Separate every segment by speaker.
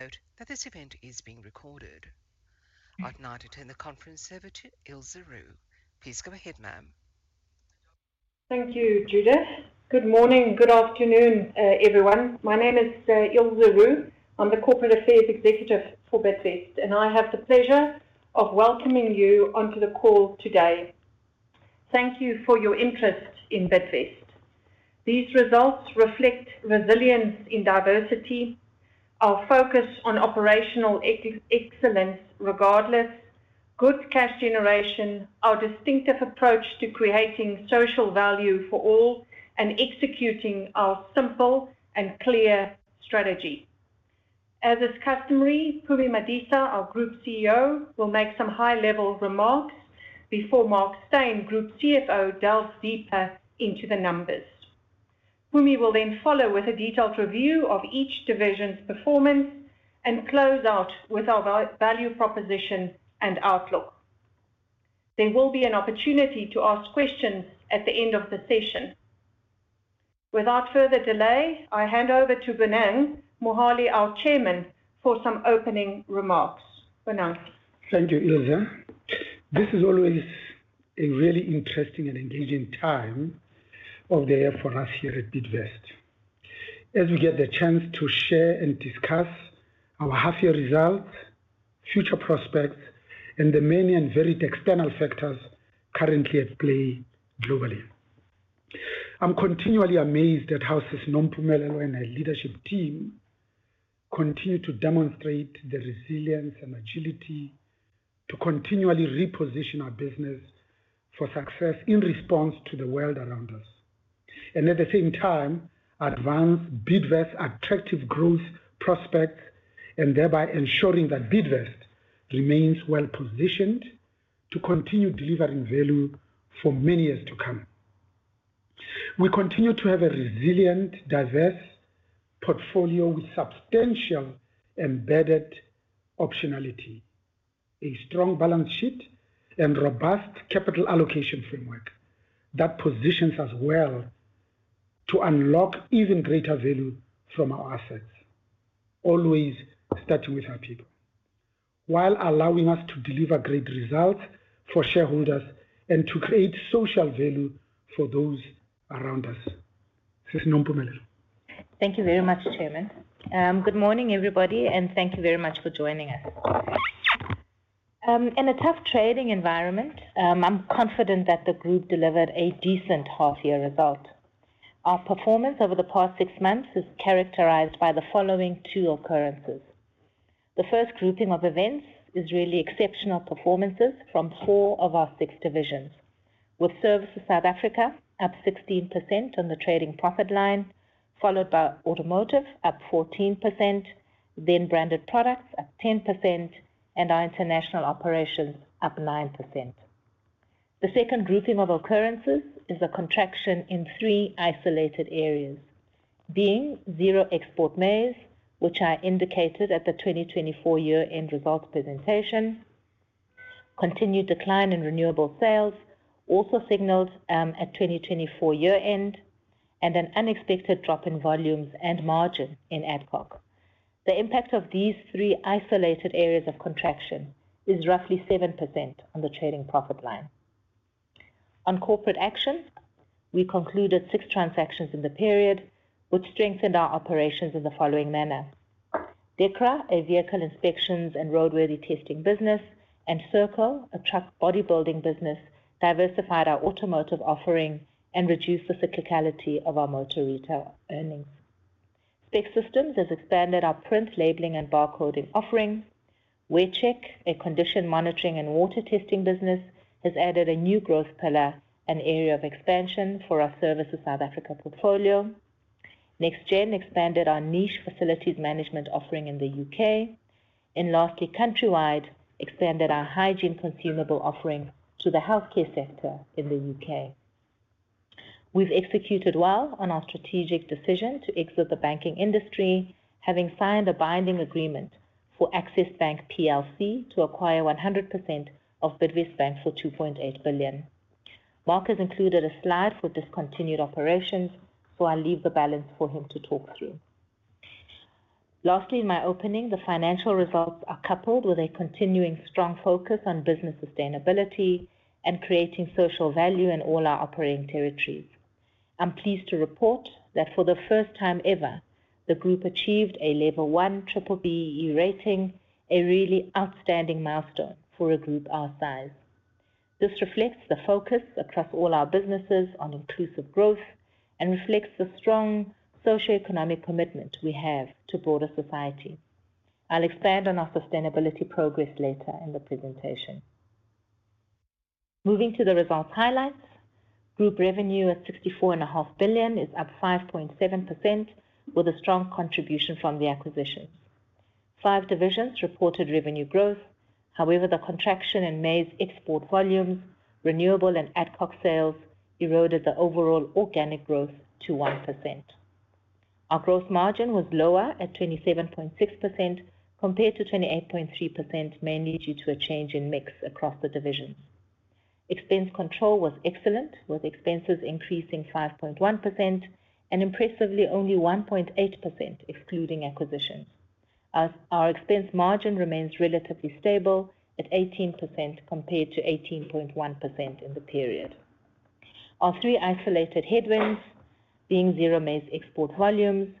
Speaker 1: Note that this event is being recorded. I'd like to turn the conference over to Ilze Roux. Please go ahead, ma'am.
Speaker 2: Thank you, Judith. Good morning, good afternoon, everyone. My name is Ilze Roux. I'm the Corporate Affairs Executive for Bidvest, and I have the pleasure of welcoming you onto the call today. Thank you for your interest in Bidvest. These results reflect resilience in diversity, our focus on operational excellence regardless, good cash generation, our distinctive approach to creating social value for all, and executing our simple and clear strategy. As is customary, Pumi Madisa, our Group CEO, will make some high-level remarks before Mark Steyn, Group CFO, delves deeper into the numbers. Pumi will then follow with a detailed review of each division's performance and close out with our value proposition and outlook. There will be an opportunity to ask questions at the end of the session. Without further delay, I hand over to Bonang Mohale, our Chairman, for some opening remarks. Bonang.
Speaker 3: Thank you, Ilze. This is always a really interesting and engaging time of the year for us here at Bidvest as we get the chance to share and discuss our half-year results, future prospects, and the many and varied external factors currently at play globally. I'm continually amazed at how Nompumelelo and our leadership team continue to demonstrate the resilience and agility to continually reposition our business for success in response to the world around us, and at the same time advance Bidvest's attractive growth prospects, and thereby ensuring that Bidvest remains well-positioned to continue delivering value for many years to come. We continue to have a resilient, diverse portfolio with substantial embedded optionality, a strong balance sheet, and a robust capital allocation framework that positions us well to unlock even greater value from our assets, always starting with our people, while allowing us to deliver great results for shareholders and to create social value for those around us. This is Nompumelelo.
Speaker 4: Thank you very much, Chairman. Good morning, everybody, and thank you very much for joining us. In a tough trading environment, I'm confident that the Group delivered a decent half-year result. Our performance over the past six months is characterized by the following two occurrences. The first grouping of events is really exceptional performances from four of our six divisions, with Services South Africa up 16% on the trading profit line, followed by Automotive up 14%, then Branded Products up 10%, and our International Operations up 9%. The second grouping of occurrences is a contraction in three isolated areas, being zero export maize, which I indicated at the 2024 year-end results presentation. Continued decline in rental sales also signals at 2024 year-end an unexpected drop in volumes and margin in Adcock. The impact of these three isolated areas of contraction is roughly 7% on the trading profit line. On corporate action, we concluded six transactions in the period, which strengthened our operations in the following manner. DEKRA, a vehicle inspection and roadworthiness testing business, and Serco, a truck bodybuilding business, diversified our automotive offering and reduced the cyclicality of our motor retail earnings. Spec Systems has expanded our print labeling and barcoding offering. WearCheck, a condition monitoring and water testing business, has added a new growth pillar and area of expansion for our Services South Africa portfolio. NexGen expanded our niche facilities management offering in the U.K. And lastly, Countrywide expanded our hygiene consumable offering to the healthcare sector in the U.K. We've executed well on our strategic decision to exit the banking industry, having signed a binding agreement for Access Bank PLC to acquire 100% of Bidvest Bank for 2.8 billion. Mark has included a slide for discontinued operations, so I'll leave the balance for him to talk through. Lastly, in my opening, the financial results are coupled with a continuing strong focus on business sustainability and creating social value in all our operating territories. I'm pleased to report that for the first time ever, the Group achieved a Level 1 B-BBE rating, a really outstanding milestone for a Group our size. This reflects the focus across all our businesses on inclusive growth and reflects the strong socioeconomic commitment we have to broader society. I'll expand on our sustainability progress later in the presentation. Moving to the results highlights, Group revenue at 64.5 billion is up 5.7%, with a strong contribution from the acquisitions. Five divisions reported revenue growth. However, the contraction in maize export volumes, renewables, and adcock sales eroded the overall organic growth to 1%. Our gross margin was lower at 27.6% compared to 28.3%, mainly due to a change in mix across the divisions. Expense control was excellent, with expenses increasing 5.1% and impressively only 1.8% excluding acquisitions. Our expense margin remains relatively stable at 18% compared to 18.1% in the period. Our three isolated headwinds, being zero maize export volumes,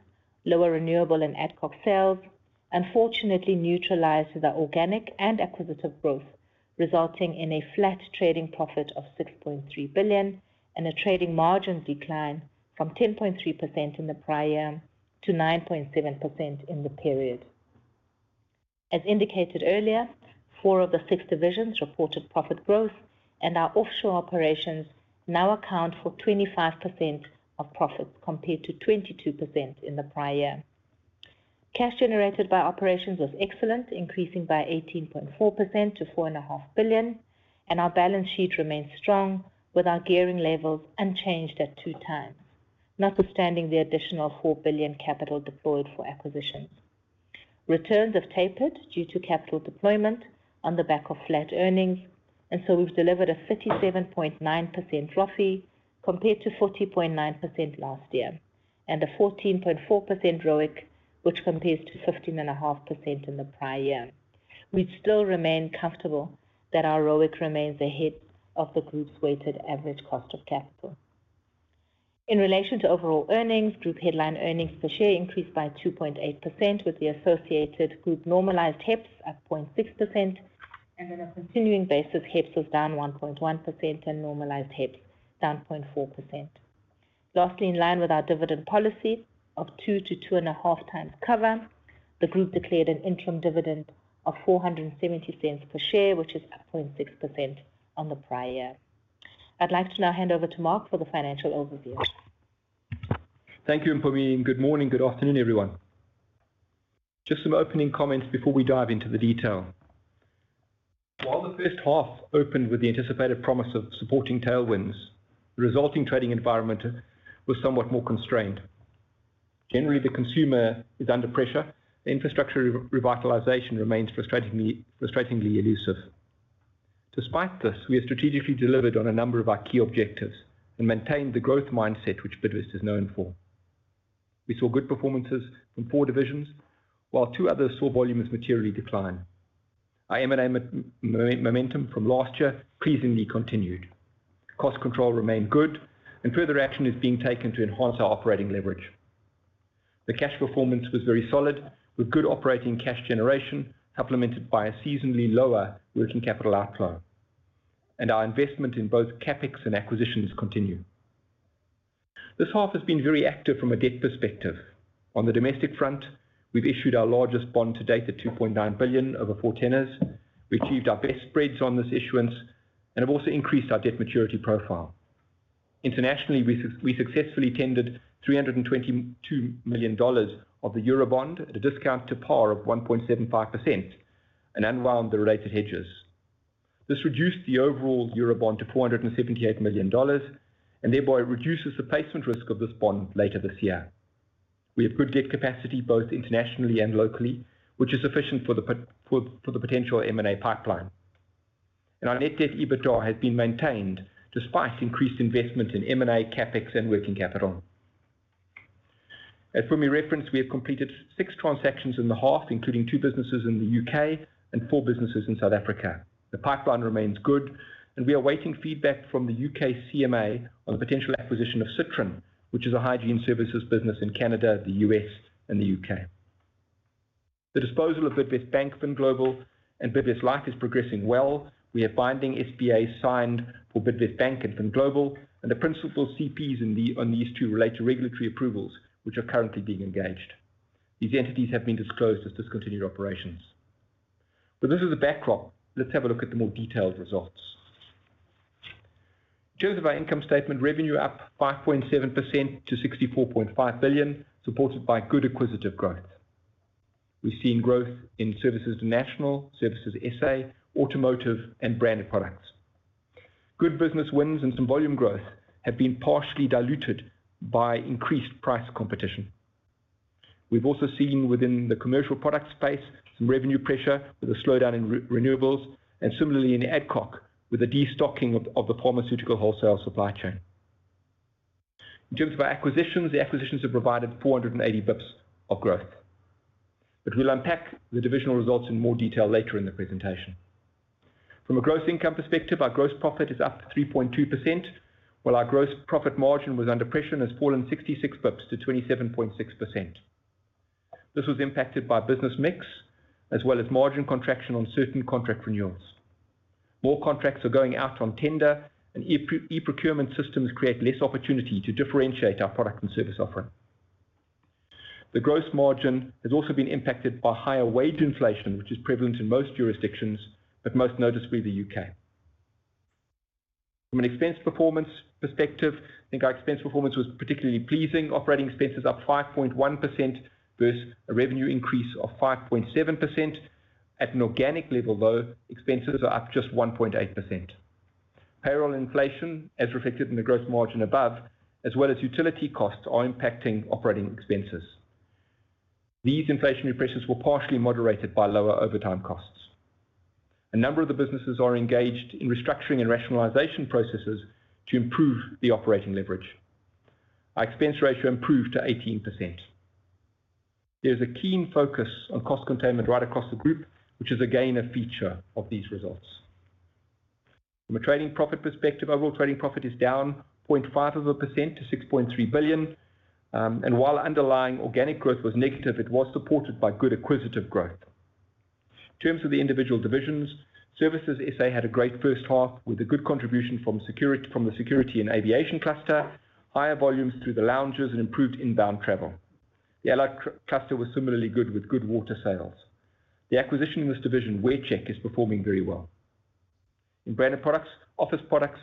Speaker 4: lower renewable and adcock sales, unfortunately neutralized the organic and acquisitive growth, resulting in a flat trading profit of 6.3 billion and a trading margin decline from 10.3% in the prior year to 9.7% in the period. As indicated earlier, four of the six divisions reported profit growth, and our offshore operations now account for 25% of profits compared to 22% in the prior year. Cash generated by operations was excellent, increasing by 18.4% to 4.5 billion, and our balance sheet remains strong with our gearing levels unchanged at two times, notwithstanding the additional 4 billion capital deployed for acquisitions. Returns have tapered due to capital deployment on the back of flat earnings, and so we've delivered a 37.9% ROFI compared to 40.9% last year and a 14.4% ROIC, which compares to 15.5% in the prior year. We still remain comfortable that our ROIC remains ahead of the Group's weighted average cost of capital. In relation to overall earnings, Group headline earnings per share increased by 2.8%, with the associated Group normalized HEPS at 0.6%, and on a continuing basis, HEPS was down 1.1% and normalized HEPS down 0.4%. Lastly, in line with our dividend policy of 2-2.5 times cover, the Group declared an interim dividend of 4.70 per share, which is up 0.6% on the prior year. I'd like to now hand over to Mark for the financial overview.
Speaker 5: Thank you, Pumi. Good morning, good afternoon, everyone. Just some opening comments before we dive into the detail. While the first half opened with the anticipated promise of supporting tailwinds, the resulting trading environment was somewhat more constrained. Generally, the consumer is under pressure. The infrastructure revitalization remains frustratingly elusive. Despite this, we have strategically delivered on a number of our key objectives and maintained the growth mindset which Bidvest is known for. We saw good performances from four divisions, while two others saw volumes materially decline. Our M&A momentum from last year pleasingly continued. Cost control remained good, and further action is being taken to enhance our operating leverage. The cash performance was very solid, with good operating cash generation supplemented by a seasonally lower working capital outflow, and our investment in both CapEx and acquisitions continue. This half has been very active from a debt perspective. On the domestic front, we've issued our largest bond to date at 2.9 billion over four tenors. We achieved our best spreads on this issuance and have also increased our debt maturity profile. Internationally, we successfully tendered $322 million of the Eurobond at a discount to par of 1.75% and unwound the related hedges. This reduced the overall Eurobond to $478 million and thereby reduces the placement risk of this bond later this year. We have good debt capacity both internationally and locally, which is sufficient for the potential M&A pipeline, and our net debt EBITDA has been maintained despite increased investment in M&A, CapEx, and working capital. As Pumi referenced, we have completed six transactions in the half, including two businesses in the U.K. and four businesses in South Africa. The pipeline remains good, and we are awaiting feedback from the U.K. CMA on the potential acquisition of Citron, which is a hygiene services business in Canada, the U.S., and the U.K. The disposal of Bidvest Bank, FinGlobal, and Bidvest Life is progressing well. We have binding SBAs signed for Bidvest Bank and FinGlobal, and the principal CPs on these two related regulatory approvals, which are currently being engaged. These entities have been disclosed as discontinued operations. With this as a backdrop, let's have a look at the more detailed results. In terms of our income statement, revenue up 5.7% to 64.5 billion, supported by good acquisitive growth. We've seen growth in Services International, Services SA, automotive, and branded products. Good business wins and some volume growth have been partially diluted by increased price competition. We've also seen within the commercial product space some revenue pressure with a slowdown in renewables, and similarly in Adcock with a destocking of the pharmaceutical wholesale supply chain. In terms of our acquisitions, the acquisitions have provided 480 basis points of growth. But we'll unpack the divisional results in more detail later in the presentation. From a gross income perspective, our gross profit is up 3.2%, while our gross profit margin was under pressure and has fallen 66 basis points to 27.6%. This was impacted by business mix as well as margin contraction on certain contract renewals. More contracts are going out on tender, and e-procurement systems create less opportunity to differentiate our product and service offering. The gross margin has also been impacted by higher wage inflation, which is prevalent in most jurisdictions, but most noticeably the U.K. From an expense performance perspective, I think our expense performance was particularly pleasing. Operating expenses up 5.1% versus a revenue increase of 5.7%. At an organic level, though, expenses are up just 1.8%. Payroll inflation, as reflected in the gross margin above, as well as utility costs, are impacting operating expenses. These inflationary pressures were partially moderated by lower overtime costs. A number of the businesses are engaged in restructuring and rationalization processes to improve the operating leverage. Our expense ratio improved to 18%. There is a keen focus on cost containment right across the Group, which is again a feature of these results. From a trading profit perspective, overall trading profit is down 0.5% to 6.3 billion, and while underlying organic growth was negative, it was supported by good acquisitive growth. In terms of the individual divisions, Services SA had a great first half with a good contribution from the security and aviation cluster, higher volumes through the lounges, and improved inbound travel. The allied cluster was similarly good with good water sales. The acquisition in this division, WearCheck, is performing very well. In branded products, office products,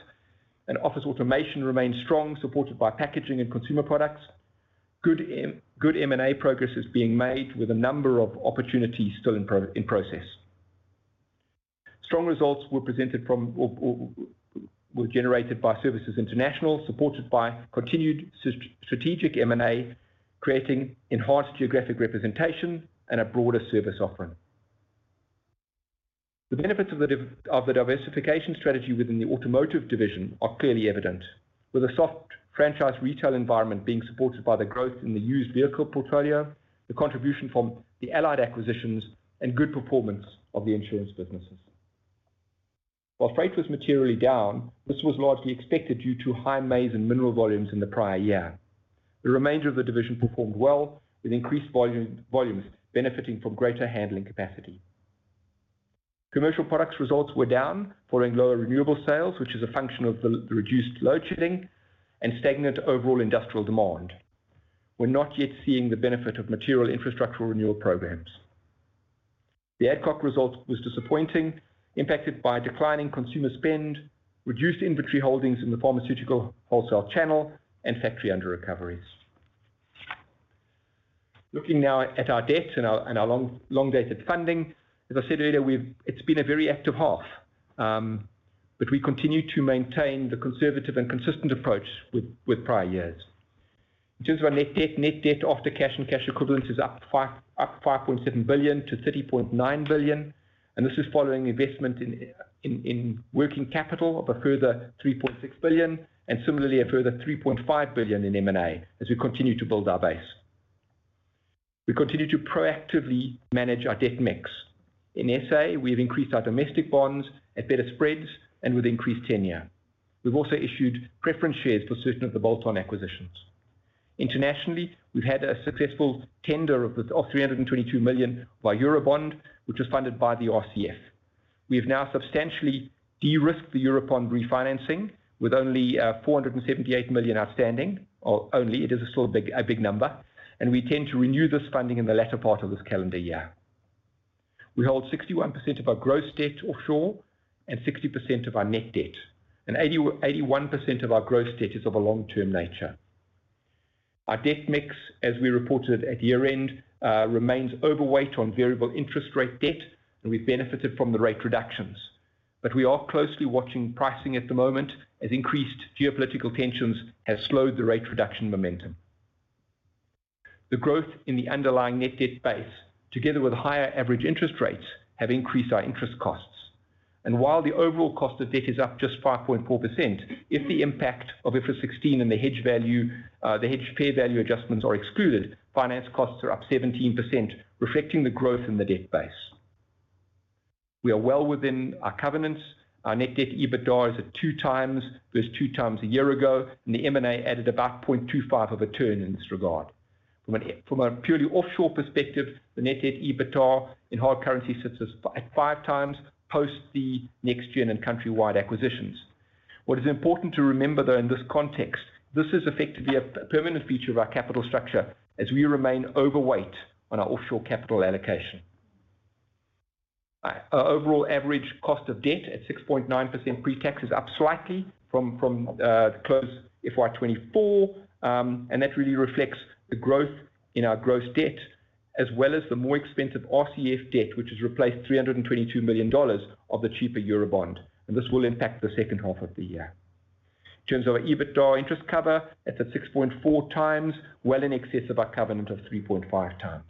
Speaker 5: and office automation remained strong, supported by packaging and consumer products. Good M&A progress is being made with a number of opportunities still in process. Strong results were generated by Services International, supported by continued strategic M&A, creating enhanced geographic representation and a broader service offering. The benefits of the diversification strategy within the automotive division are clearly evident, with a soft franchise retail environment being supported by the growth in the used vehicle portfolio, the contribution from the allied acquisitions, and good performance of the insurance businesses. While freight was materially down, this was largely expected due to high maize and mineral volumes in the prior year. The remainder of the division performed well, with increased volumes benefiting from greater handling capacity. Commercial Products results were down following lower renewable sales, which is a function of the reduced load shedding and stagnant overall industrial demand. We're not yet seeing the benefit of material infrastructure renewal programs. The Adcock result was disappointing, impacted by declining consumer spend, reduced inventory holdings in the pharmaceutical wholesale channel, and factory under-recoveries. Looking now at our debt and our long-dated funding, as I said earlier, it's been a very active half, but we continue to maintain the conservative and consistent approach with prior years. In terms of our net debt, net debt after cash and cash equivalents is up 5.7 billion to 30.9 billion, and this is following investment in working capital of a further 3.6 billion and similarly a further 3.5 billion in M&A as we continue to build our base. We continue to proactively manage our debt mix. In SA, we have increased our domestic bonds at better spreads and with increased tenure. We've also issued preference shares for certain of the bolt-on acquisitions. Internationally, we've had a successful tender of 322 million via Eurobond, which was funded by the RCF. We have now substantially de-risked the Eurobond refinancing with only 478 million outstanding. It is still a big number, and we intend to renew this funding in the latter part of this calendar year. We hold 61% of our gross debt offshore and 60% of our net debt, and 81% of our gross debt is of a long-term nature. Our debt mix, as we reported at year-end, remains overweight on variable interest rate debt, and we've benefited from the rate reductions, but we are closely watching pricing at the moment as increased geopolitical tensions have slowed the rate reduction momentum. The growth in the underlying net debt base, together with higher average interest rates, have increased our interest costs, and while the overall cost of debt is up just 5.4%, if the impact of IFRS 16 and the hedge value adjustments are excluded, finance costs are up 17%, reflecting the growth in the debt base. We are well within our covenants. Our net debt EBITDA is at two times versus two times a year ago, and the M&A added about 0.25 of a turn in this regard. From a purely offshore perspective, the net debt EBITDA in hard currency sits at five times post the NexGen and Countrywide acquisitions. What is important to remember, though, in this context, this is effectively a permanent feature of our capital structure as we remain overweight on our offshore capital allocation. Our overall average cost of debt at 6.9% pre-tax is up slightly from the close FY24, and that really reflects the growth in our gross debt as well as the more expensive RCF debt, which has replaced $322 million of the cheaper Eurobond, and this will impact the second half of the year. In terms of our EBITDA interest cover, it's at 6.4 times, well in excess of our covenant of 3.5 times.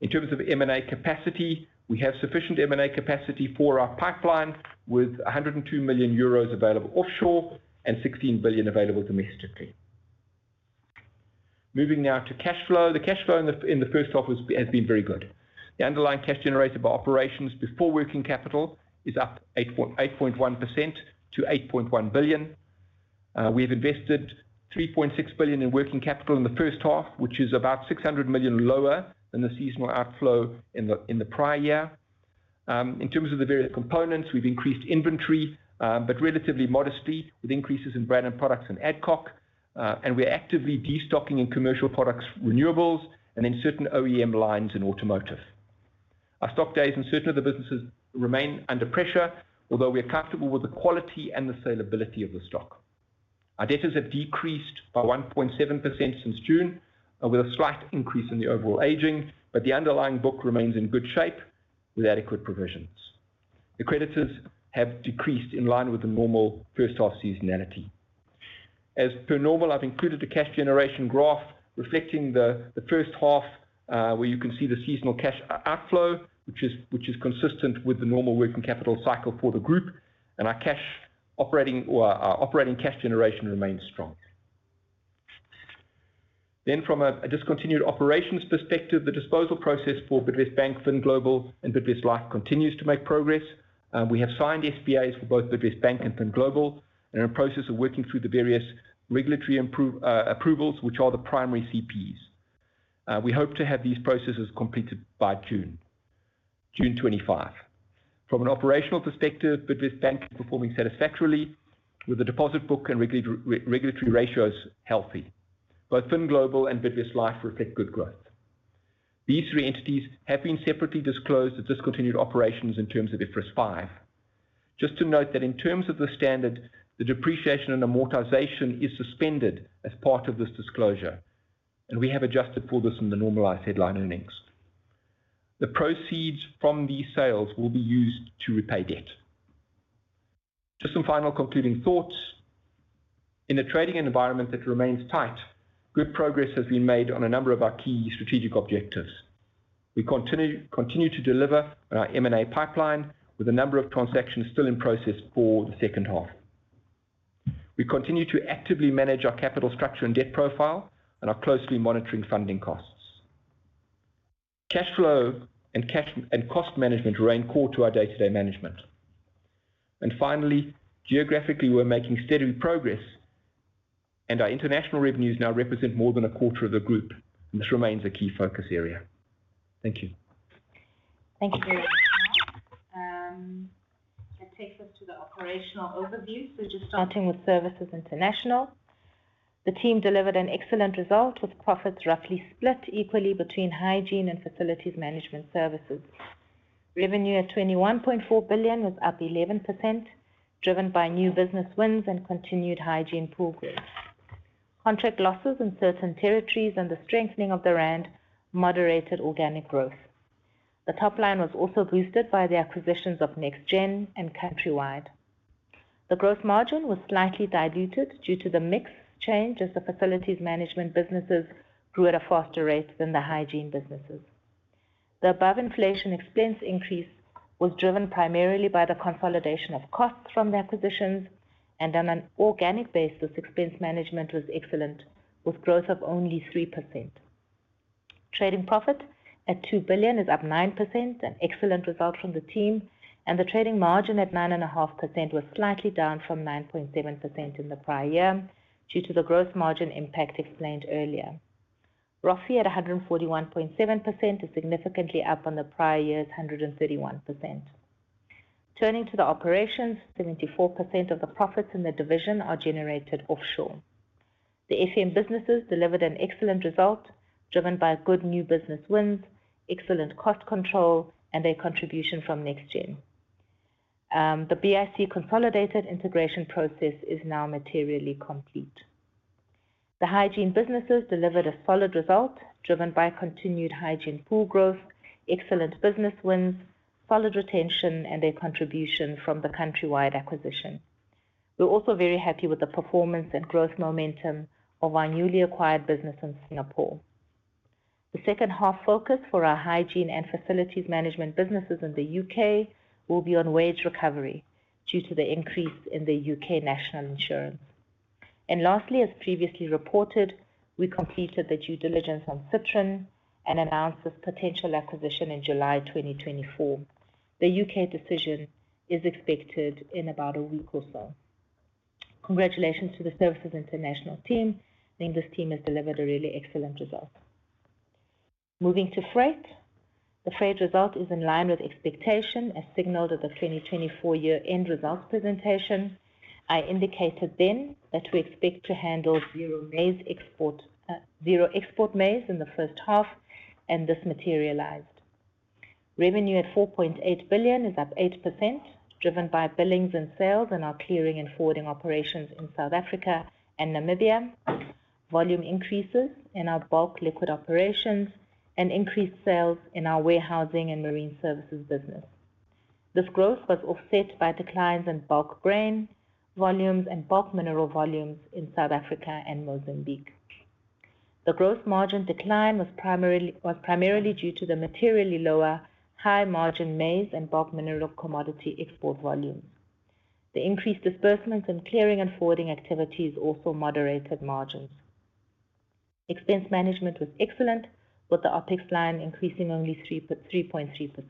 Speaker 5: In terms of M&A capacity, we have sufficient M&A capacity for our pipeline with 102 million euros available offshore and 16 billion available domestically. Moving now to cash flow, the cash flow in the first half has been very good. The underlying cash generated by operations before working capital is up 8.1% to 8.1 billion. We have invested 3.6 billion in working capital in the first half, which is about 600 million lower than the seasonal outflow in the prior year. In terms of the various components, we've increased inventory, but relatively modestly with increases in branded products and Adcock, and we're actively destocking in commercial products, renewables, and in certain OEM lines in automotive. Our stock days in certain of the businesses remain under pressure, although we are comfortable with the quality and the saleability of the stock. Our debtors have decreased by 1.7% since June, with a slight increase in the overall aging, but the underlying book remains in good shape with adequate provisions. The creditors have decreased in line with the normal first half seasonality. As per normal, I've included a cash generation graph reflecting the first half where you can see the seasonal cash outflow, which is consistent with the normal working capital cycle for the Group, and our operating cash generation remains strong. Then, from a discontinued operations perspective, the disposal process for Bidvest Bank, FinGlobal, and Bidvest Life continues to make progress. We have signed SBAs for both Bidvest Bank and FinGlobal and are in the process of working through the various regulatory approvals, which are the primary CPs. We hope to have these processes completed by June 25. From an operational perspective, Bidvest Bank is performing satisfactorily with the deposit book and regulatory ratios healthy. Both FinGlobal and Bidvest Life reflect good growth. These three entities have been separately disclosed as discontinued operations in terms of IFRS 5. Just to note that in terms of the standard, the depreciation and amortization is suspended as part of this disclosure, and we have adjusted for this in the normalized headline earnings. The proceeds from these sales will be used to repay debt. Just some final concluding thoughts. In a trading environment that remains tight, good progress has been made on a number of our key strategic objectives. We continue to deliver on our M&A pipeline with a number of transactions still in process for the second half. We continue to actively manage our capital structure and debt profile and are closely monitoring funding costs. Cash flow and cost management remain core to our day-to-day management. And finally, geographically, we're making steady progress, and our international revenues now represent more than a quarter of the Group, and this remains a key focus area. Thank you.
Speaker 4: Thank you. That takes us to the operational overview. So just starting with Services International. The team delivered an excellent result with profits roughly split equally between hygiene and facilities management services. Revenue at 21.4 billion was up 11%, driven by new business wins and continued hygiene progress. Contract losses in certain territories and the strengthening of the rand moderated organic growth. The top line was also boosted by the acquisitions of Next Gen and Countrywide. The gross margin was slightly diluted due to the mix change as the facilities management businesses grew at a faster rate than the hygiene businesses. The above inflation expense increase was driven primarily by the consolidation of costs from the acquisitions, and on an organic basis, expense management was excellent with growth of only 3%. Trading profit at 2 billion is up 9%, an excellent result from the team, and the trading margin at 9.5% was slightly down from 9.7% in the prior year due to the gross margin impact explained earlier. Roughly at 141.7%, it's significantly up on the prior year's 131%. Turning to the operations, 74% of the profits in the division are generated offshore. The FEM businesses delivered an excellent result driven by good new business wins, excellent cost control, and their contribution from NexGen. The BIC consolidated integration process is now materially complete. The hygiene businesses delivered a solid result driven by continued hygiene pool growth, excellent business wins, solid retention, and their contribution from the Countrywide acquisition. We're also very happy with the performance and growth momentum of our newly acquired business in Singapore. The second half focus for our hygiene and facilities management businesses in the U.K. will be on wage recovery due to the increase in the U.K. National Insurance. And lastly, as previously reported, we completed the due diligence on Citron and announced this potential acquisition in July 2024. The U.K. decision is expected in about a week or so. Congratulations to the Services International team. I think this team has delivered a really excellent result. Moving to freight, the freight result is in line with expectation as signaled at the 2024 year-end results presentation. I indicated then that we expect to handle zero export maize in the first half, and this materialized. Revenue at 4.8 billion is up 8%, driven by billings and sales in our clearing and forwarding operations in South Africa and Namibia. Volume increases in our bulk liquid operations and increased sales in our warehousing and marine services business. This growth was offset by declines in bulk grain volumes and bulk mineral volumes in South Africa and Mozambique. The gross margin decline was primarily due to the materially lower high margin maize and bulk mineral commodity export volumes. The increased disbursements and clearing and forwarding activities also moderated margins. Expense management was excellent, with the OpEx line increasing only 3.3%.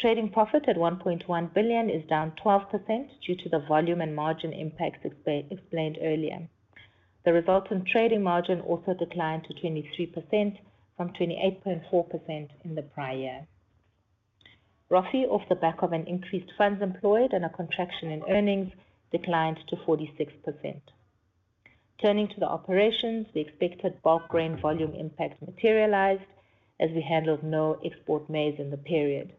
Speaker 4: Trading profit at 1.1 billion is down 12% due to the volume and margin impacts explained earlier. The resultant trading margin also declined to 23% from 28.4% in the prior year. Roughly off the back of an increased funds employed and a contraction in earnings, declined to 46%. Turning to the operations, the expected bulk grain volume impact materialized as we handled no export maize in the period.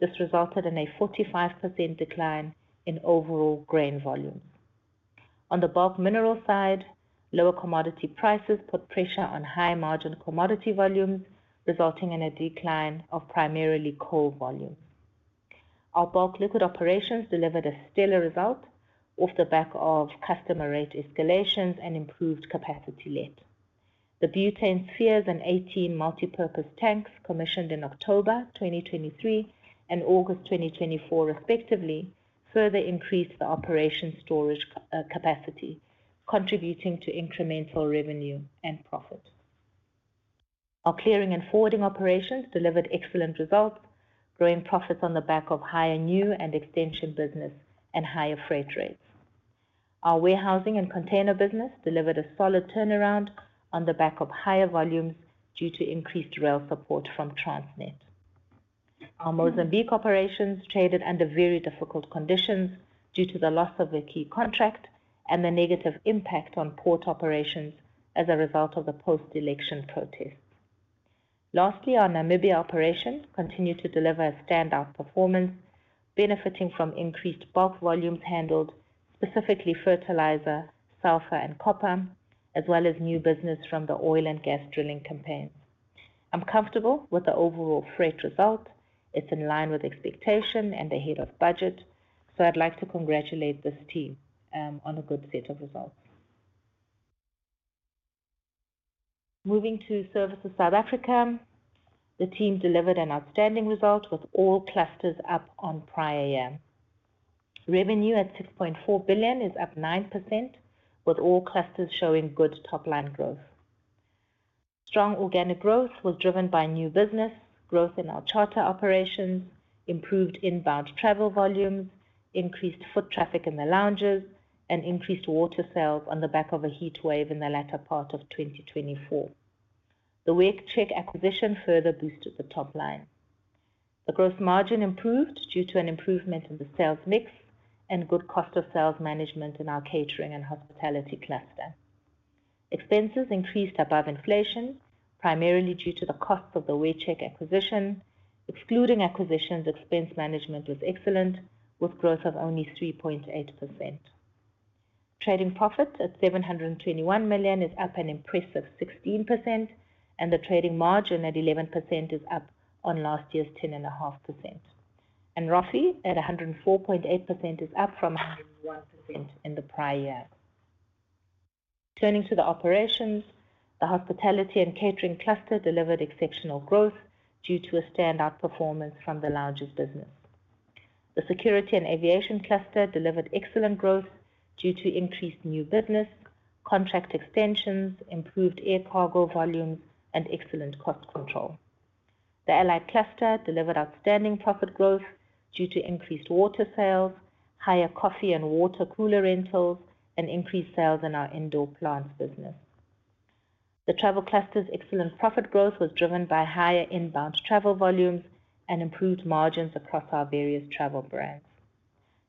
Speaker 4: This resulted in a 45% decline in overall grain volumes. On the bulk mineral side, lower commodity prices put pressure on high margin commodity volumes, resulting in a decline of primarily coal volumes. Our bulk liquid operations delivered a stellar result off the back of customer rate escalations and improved capacity utilization. The butane spheres and 18 multipurpose tanks commissioned in October 2023 and August 2024, respectively, further increased the operational storage capacity, contributing to incremental revenue and profit. Our clearing and forwarding operations delivered excellent results, growing profits on the back of higher new and extension business and higher freight rates. Our warehousing and container business delivered a solid turnaround on the back of higher volumes due to increased rail support from Transnet. Our Mozambique operations traded under very difficult conditions due to the loss of a key contract and the negative impact on port operations as a result of the post-election protests. Lastly, our Namibia operation continued to deliver a standout performance, benefiting from increased bulk volumes handled, specifically fertilizer, sulfur, and copper, as well as new business from the oil and gas drilling campaigns. I'm comfortable with the overall freight result. It's in line with expectation and ahead of budget, so I'd like to congratulate this team on a good set of results. Moving to Services South Africa, the team delivered an outstanding result with all clusters up on prior year. Revenue at 6.4 billion is up 9%, with all clusters showing good top line growth. Strong organic growth was driven by new business, growth in our charter operations, improved inbound travel volumes, increased foot traffic in the lounges, and increased water sales on the back of a heat wave in the latter part of 2024. The WearCheck acquisition further boosted the top line. The gross margin improved due to an improvement in the sales mix and good cost of sales management in our catering and hospitality cluster. Expenses increased above inflation, primarily due to the costs of the WearCheck acquisition. Excluding acquisitions, expense management was excellent, with growth of only 3.8%. Trading profit at 721 million is up an impressive 16%, and the trading margin at 11% is up on last year's 10.5%. And roughly at 104.8% is up from 101% in the prior year. Turning to the operations, the hospitality and catering cluster delivered exceptional growth due to a standout performance from the lounges business. The security and aviation cluster delivered excellent growth due to increased new business, contract extensions, improved air cargo volumes, and excellent cost control. The allied cluster delivered outstanding profit growth due to increased water sales, higher coffee and water cooler rentals, and increased sales in our indoor plants business. The travel cluster's excellent profit growth was driven by higher inbound travel volumes and improved margins across our various travel brands.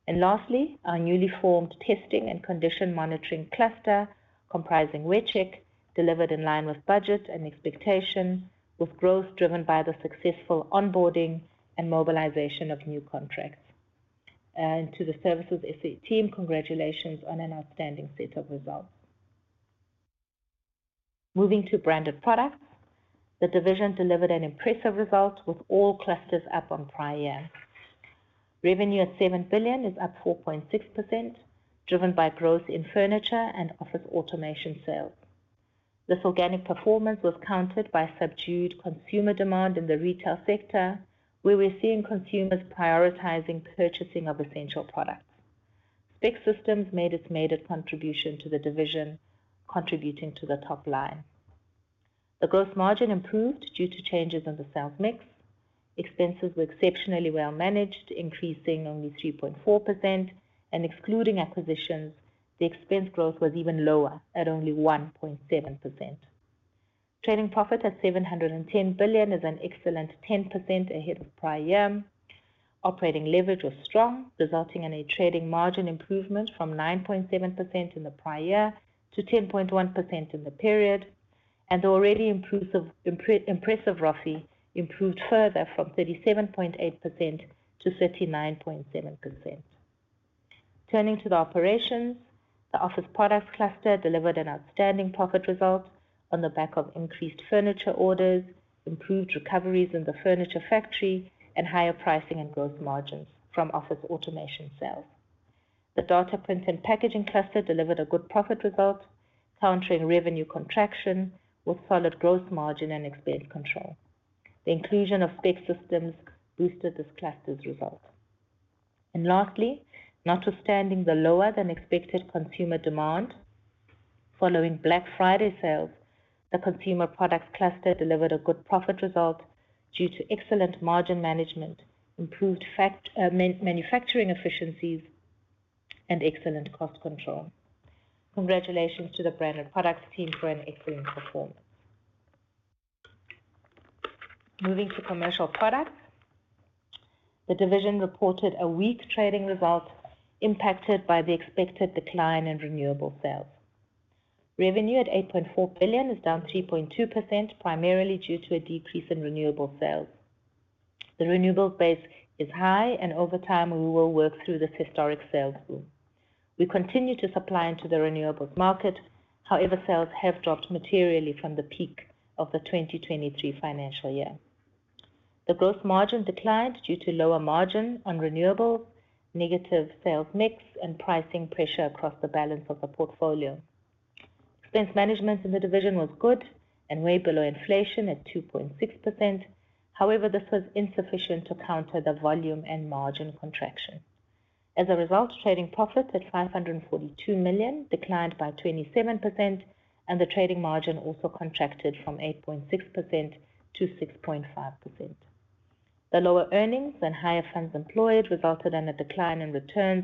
Speaker 4: Lastly, our newly formed testing and condition monitoring cluster comprising WearCheck delivered in line with budget and expectation, with growth driven by the successful onboarding and mobilization of new contracts. To the Services Team, congratulations on an outstanding set of results. Moving to branded products, the division delivered an impressive result with all clusters up on prior year. Revenue at 7 billion is up 4.6%, driven by growth in furniture and office automation sales. This organic performance was countered by subdued consumer demand in the retail sector, where we're seeing consumers prioritizing purchasing of essential products. Spec Systems made its maiden contribution to the division, contributing to the top line. The gross margin improved due to changes in the sales mix. Expenses were exceptionally well managed, increasing only 3.4%, and excluding acquisitions, the expense growth was even lower at only 1.7%. Trading profit at 710 million is an excellent 10% ahead of prior year. Operating leverage was strong, resulting in a trading margin improvement from 9.7% in the prior year to 10.1% in the period. And the already impressive ROFI improved further from 37.8% to 39.7%. Turning to the operations, the office products cluster delivered an outstanding profit result on the back of increased furniture orders, improved recoveries in the furniture factory, and higher pricing and gross margins from office automation sales. The data print and packaging cluster delivered a good profit result, countering revenue contraction with solid gross margin and expense control. The inclusion of Spec Systems boosted this cluster's result. And lastly, notwithstanding the lower than expected consumer demand, following Black Friday sales, the consumer products cluster delivered a good profit result due to excellent margin management, improved manufacturing efficiencies, and excellent cost control. Congratulations to the branded products team for an excellent performance. Moving to commercial products, the division reported a weak trading result impacted by the expected decline in renewable sales. Revenue at 8.4 billion is down 3.2%, primarily due to a decrease in renewable sales. The renewables base is high, and over time, we will work through this historic sales boom. We continue to supply into the renewables market. However, sales have dropped materially from the peak of the 2023 financial year. The gross margin declined due to lower margin on renewables, negative sales mix, and pricing pressure across the balance of the portfolio. Expense management in the division was good and way below inflation at 2.6%. However, this was insufficient to counter the volume and margin contraction. As a result, trading profit at 542 million declined by 27%, and the trading margin also contracted from 8.6% to 6.5%. The lower earnings and higher funds employed resulted in a decline in returns,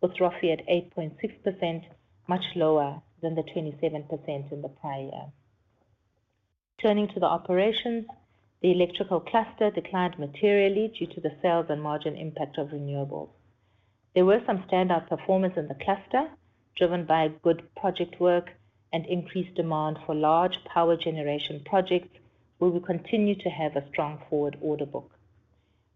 Speaker 4: with ROFI at 8.6%, much lower than the 27% in the prior year. Turning to the operations, the electrical cluster declined materially due to the sales and margin impact of renewables. There were some standout performances in the clusters, driven by good project work and increased demand for large power generation projects, where we continue to have a strong forward order book.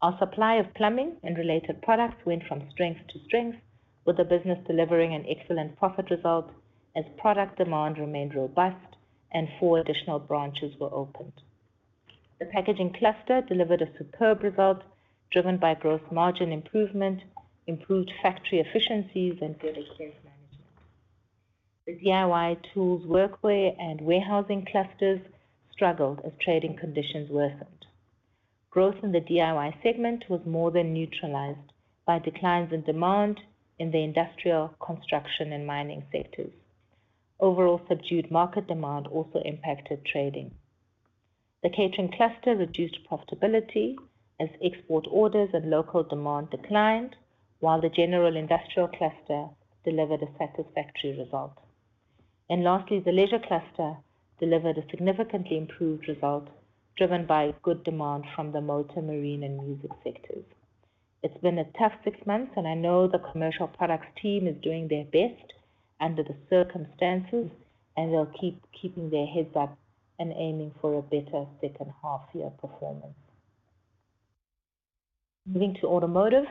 Speaker 4: Our supply of plumbing and related products went from strength to strength, with the business delivering an excellent profit result as product demand remained robust and four additional branches were opened. The packaging cluster delivered a superb result, driven by gross margin improvement, improved factory efficiencies, and good expense management. The DIY tools, workwear, and warehousing clusters struggled as trading conditions worsened. Growth in the DIY segment was more than neutralized by declines in demand in the industrial, construction, and mining sectors. Overall, subdued market demand also impacted trading. The catering cluster reduced profitability as export orders and local demand declined, while the general industrial cluster delivered a satisfactory result. Lastly, the leisure cluster delivered a significantly improved result, driven by good demand from the motor, marine, and music sectors. It's been a tough six months, and I know the commercial products team is doing their best under the circumstances, and they'll keep their heads up and aiming for a better second half year performance. Moving to automotive,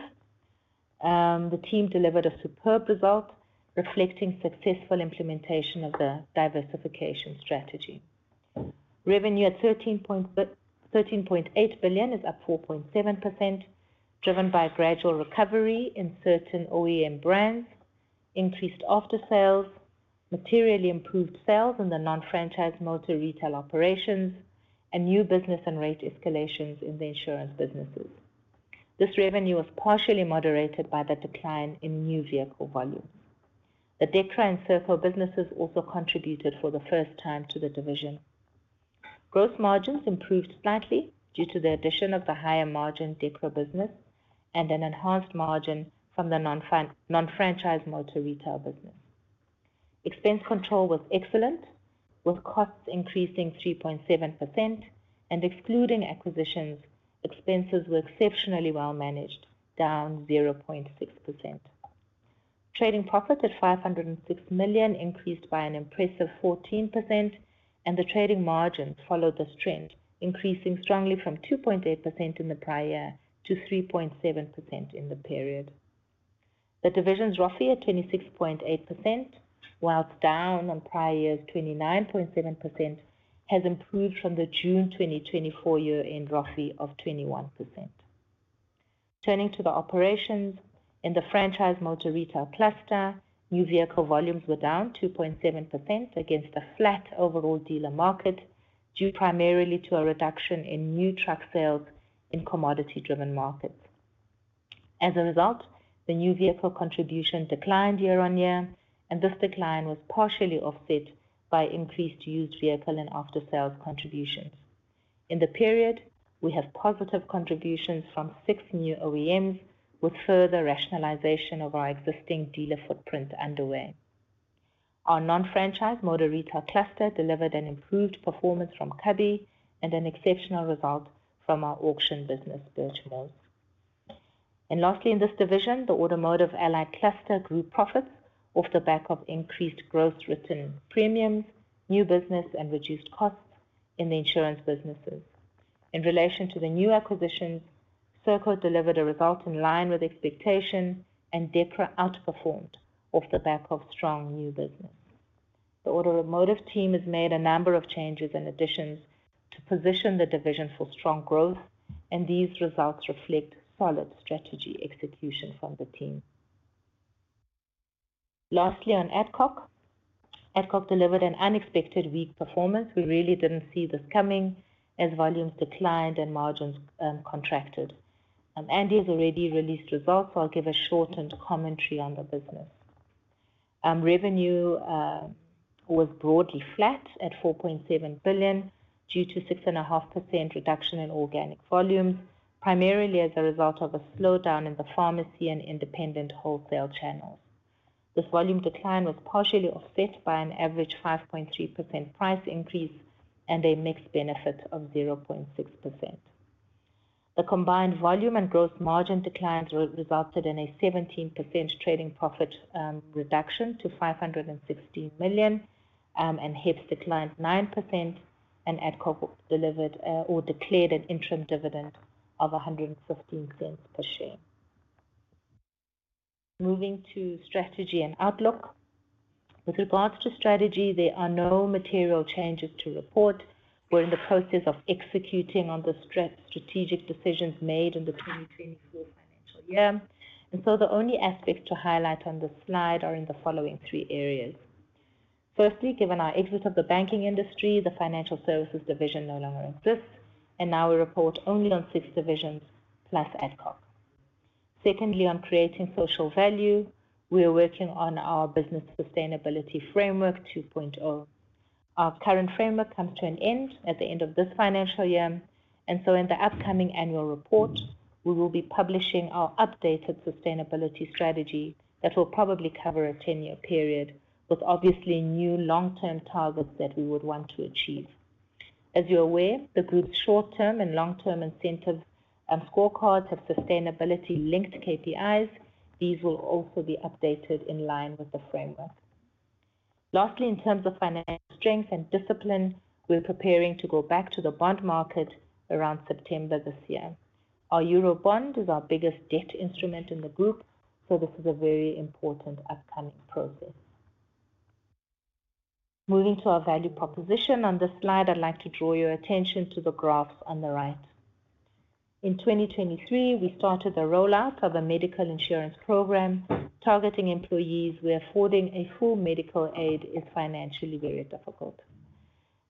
Speaker 4: the team delivered a superb result, reflecting successful implementation of the diversification strategy. Revenue at 13.8 billion is up 4.7%, driven by gradual recovery in certain OEM brands, increased after-sales, materially improved sales in the non-franchise motor retail operations, and new business and rate escalations in the insurance businesses. This revenue was partially moderated by the decline in new vehicle volumes. The DEKRA and Serco businesses also contributed for the first time to the division. Gross margins improved slightly due to the addition of the higher margin DEKRA business and an enhanced margin from the non-franchise motor retail business. Expense control was excellent, with costs increasing 3.7%, and excluding acquisitions, expenses were exceptionally well managed, down 0.6%. Trading profit at 506 million increased by an impressive 14%, and the trading margins followed this trend, increasing strongly from 2.8% in the prior year to 3.7% in the period. The division's ROFI at 26.8%, while down on prior year's 29.7%, has improved from the June 2024 year-end ROFI of 21%. Turning to the operations, in the franchise motor retail cluster, new vehicle volumes were down 2.7% against a flat overall dealer market due primarily to a reduction in new truck sales in commodity-driven markets. As a result, the new vehicle contribution declined year-on-year, and this decline was partially offset by increased used vehicle and after-sales contributions. In the period, we have positive contributions from six new OEMs, with further rationalization of our existing dealer footprint underway. Our non-franchise motor retail cluster delivered an improved performance from CABI and an exceptional result from our auction business, Burchmores. And lastly, in this division, the automotive allied cluster grew profits off the back of increased gross written premiums, new business, and reduced costs in the insurance businesses. In relation to the new acquisitions, Serco delivered a result in line with expectation, and DEKRA outperformed off the back of strong new business. The automotive team has made a number of changes and additions to position the division for strong growth, and these results reflect solid strategy execution from the team. Lastly, on Adcock, Adcock delivered an unexpected weak performance. We really didn't see this coming as volumes declined and margins contracted. Andy has already released results, so I'll give a shortened commentary on the business. Revenue was broadly flat at 4.7 billion due to 6.5% reduction in organic volumes, primarily as a result of a slowdown in the pharmacy and independent wholesale channels. This volume decline was partially offset by an average 5.3% price increase and a mixed benefit of 0.6%. The combined volume and gross margin declines resulted in a 17% trading profit reduction to 516 million and HEPS declined 9%, and Adcock declared an interim dividend of 1.15 per share. Moving to strategy and outlook. With regards to strategy, there are no material changes to report. We're in the process of executing on the strategic decisions made in the 2024 financial year. And so the only aspects to highlight on this slide are in the following three areas. Firstly, given our exit of the banking industry, the financial services division no longer exists, and now we report only on six divisions plus Adcock. Secondly, on creating social value, we are working on our business sustainability framework 2.0. Our current framework comes to an end at the end of this financial year, and so in the upcoming annual report, we will be publishing our updated sustainability strategy that will probably cover a 10-year period, with obviously new long-term targets that we would want to achieve. As you're aware, the group's short-term and long-term incentive scorecards have sustainability-linked KPIs. These will also be updated in line with the framework. Lastly, in terms of financial strength and discipline, we're preparing to go back to the bond market around September this year. Our Eurobond is our biggest debt instrument in the group, so this is a very important upcoming process. Moving to our value proposition, on this slide, I'd like to draw your attention to the graphs on the right. In 2023, we started the rollout of a medical insurance program targeting employees where affording a full medical aid is financially very difficult.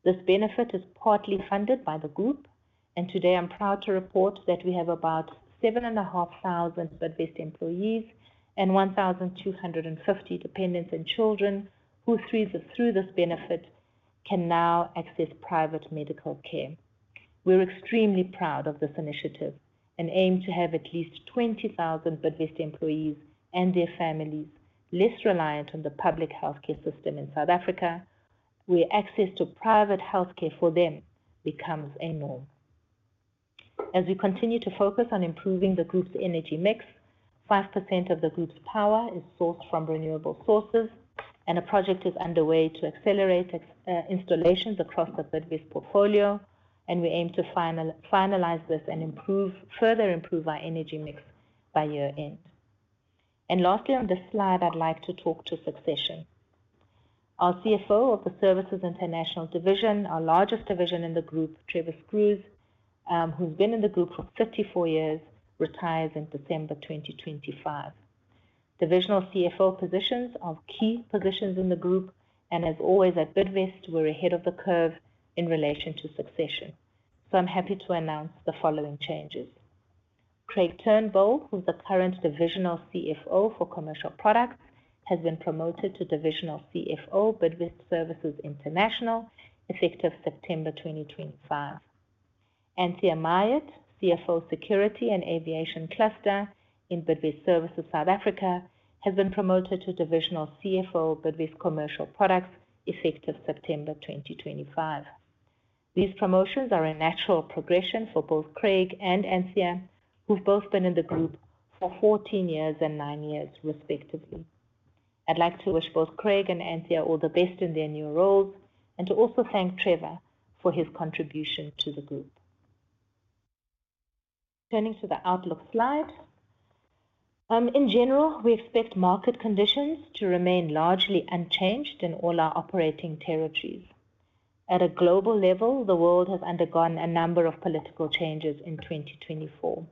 Speaker 4: This benefit is partly funded by the group, and today I'm proud to report that we have about 7,500 Bidvest employees and 1,250 dependents and children who, through this benefit, can now access private medical care. We're extremely proud of this initiative and aim to have at least 20,000 Bidvest employees and their families less reliant on the public healthcare system in South Africa, where access to private healthcare for them becomes a norm. As we continue to focus on improving the group's energy mix, 5% of the group's power is sourced from renewable sources, and a project is underway to accelerate installations across the Bidvest portfolio, and we aim to finalize this and further improve our energy mix by year-end. Lastly, on this slide, I'd like to talk to succession. Our CFO of the Services International division, our largest division in the group, Trevor Scruse, who's been in the group for 54 years, retires in December 2025. Divisional CFO positions are key positions in the group, and as always at Bidvest, we're ahead of the curve in relation to succession. I'm happy to announce the following changes. Craig Turnbull, who's the current divisional CFO for Commercial Products, has been promoted to divisional CFO Bidvest Services International, effective September 2025. Anthea Mayat, CFO Security and Aviation Cluster in Bidvest Services South Africa, has been promoted to divisional CFO Bidvest Commercial Products, effective September 2025. These promotions are a natural progression for both Craig and Anthea, who've both been in the group for 14 years and nine years, respectively. I'd like to wish both Craig and Anthea all the best in their new roles and to also thank Trevor for his contribution to the group. Turning to the outlook slide, in general, we expect market conditions to remain largely unchanged in all our operating territories. At a global level, the world has undergone a number of political changes in 2024.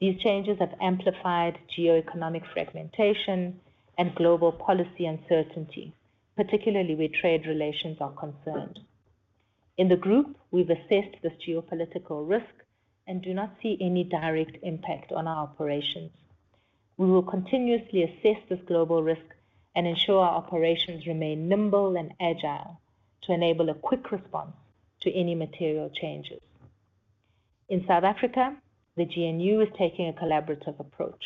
Speaker 4: These changes have amplified geoeconomic fragmentation and global policy uncertainty, particularly where trade relations are concerned. In the group, we've assessed this geopolitical risk and do not see any direct impact on our operations. We will continuously assess this global risk and ensure our operations remain nimble and agile to enable a quick response to any material changes. In South Africa, the GNU is taking a collaborative approach.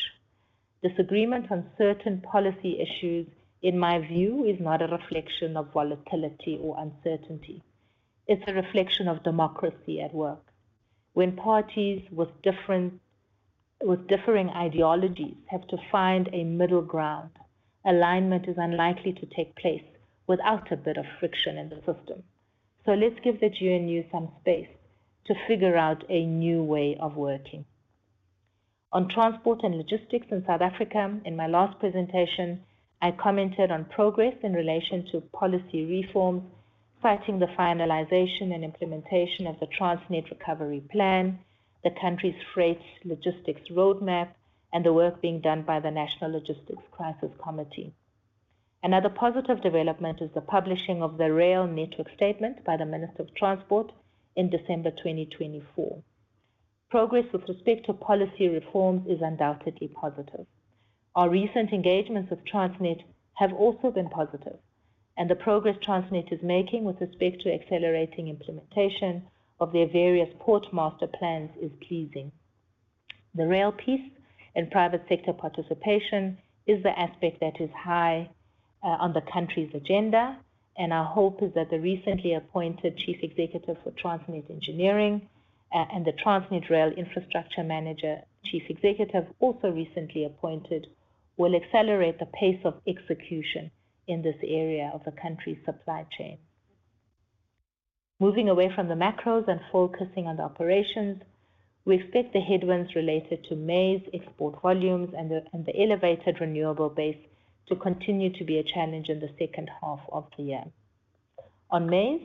Speaker 4: Disagreement on certain policy issues, in my view, is not a reflection of volatility or uncertainty. It's a reflection of democracy at work. When parties with differing ideologies have to find a middle ground, alignment is unlikely to take place without a bit of friction in the system. So let's give the GNU some space to figure out a new way of working. On transport and logistics in South Africa, in my last presentation, I commented on progress in relation to policy reforms, citing the finalization and implementation of the Transnet Recovery Plan, the country's freight logistics roadmap, and the work being done by the National Logistics Crisis Committee. Another positive development is the publishing of the rail network statement by the Minister of Transport in December 2024. Progress with respect to policy reforms is undoubtedly positive. Our recent engagements with Transnet have also been positive, and the progress Transnet is making with respect to accelerating implementation of their various port master plans is pleasing. The rail piece and private sector participation is the aspect that is high on the country's agenda, and our hope is that the recently appointed Chief Executive for Transnet Engineering and the Transnet Rail Infrastructure Manager Chief Executive, also recently appointed, will accelerate the pace of execution in this area of the country's supply chain. Moving away from the macros and focusing on the operations, we expect the headwinds related to maize export volumes and the elevated renewable base to continue to be a challenge in the second half of the year. On maize,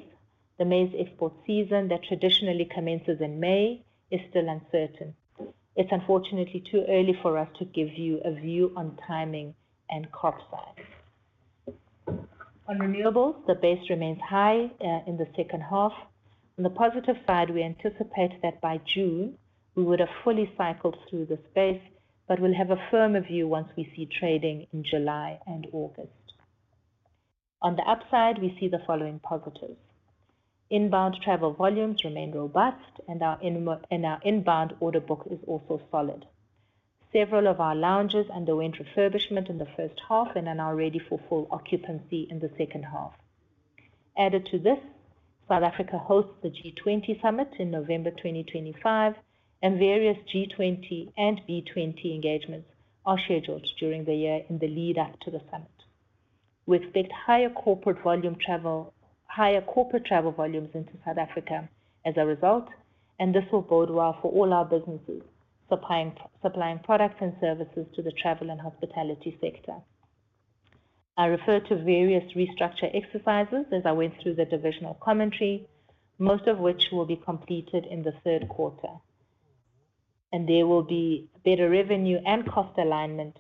Speaker 4: the maize export season that traditionally commences in May is still uncertain. It's unfortunately too early for us to give you a view on timing and crop size. On renewables, the base remains high in the second half. On the positive side, we anticipate that by June, we would have fully cycled through this base, but we'll have a firmer view once we see trading in July and August. On the upside, we see the following positives. Inbound travel volumes remain robust, and our inbound order book is also solid. Several of our lounges underwent refurbishment in the first half and are now ready for full occupancy in the second half. Added to this, South Africa hosts the G20 Summit in November 2025, and various G20 and B20 engagements are scheduled during the year in the lead-up to the summit. We expect higher corporate travel volumes into South Africa as a result, and this will bode well for all our businesses supplying products and services to the travel and hospitality sector. I referred to various restructure exercises as I went through the divisional commentary, most of which will be completed in the third quarter, and there will be better revenue and cost alignment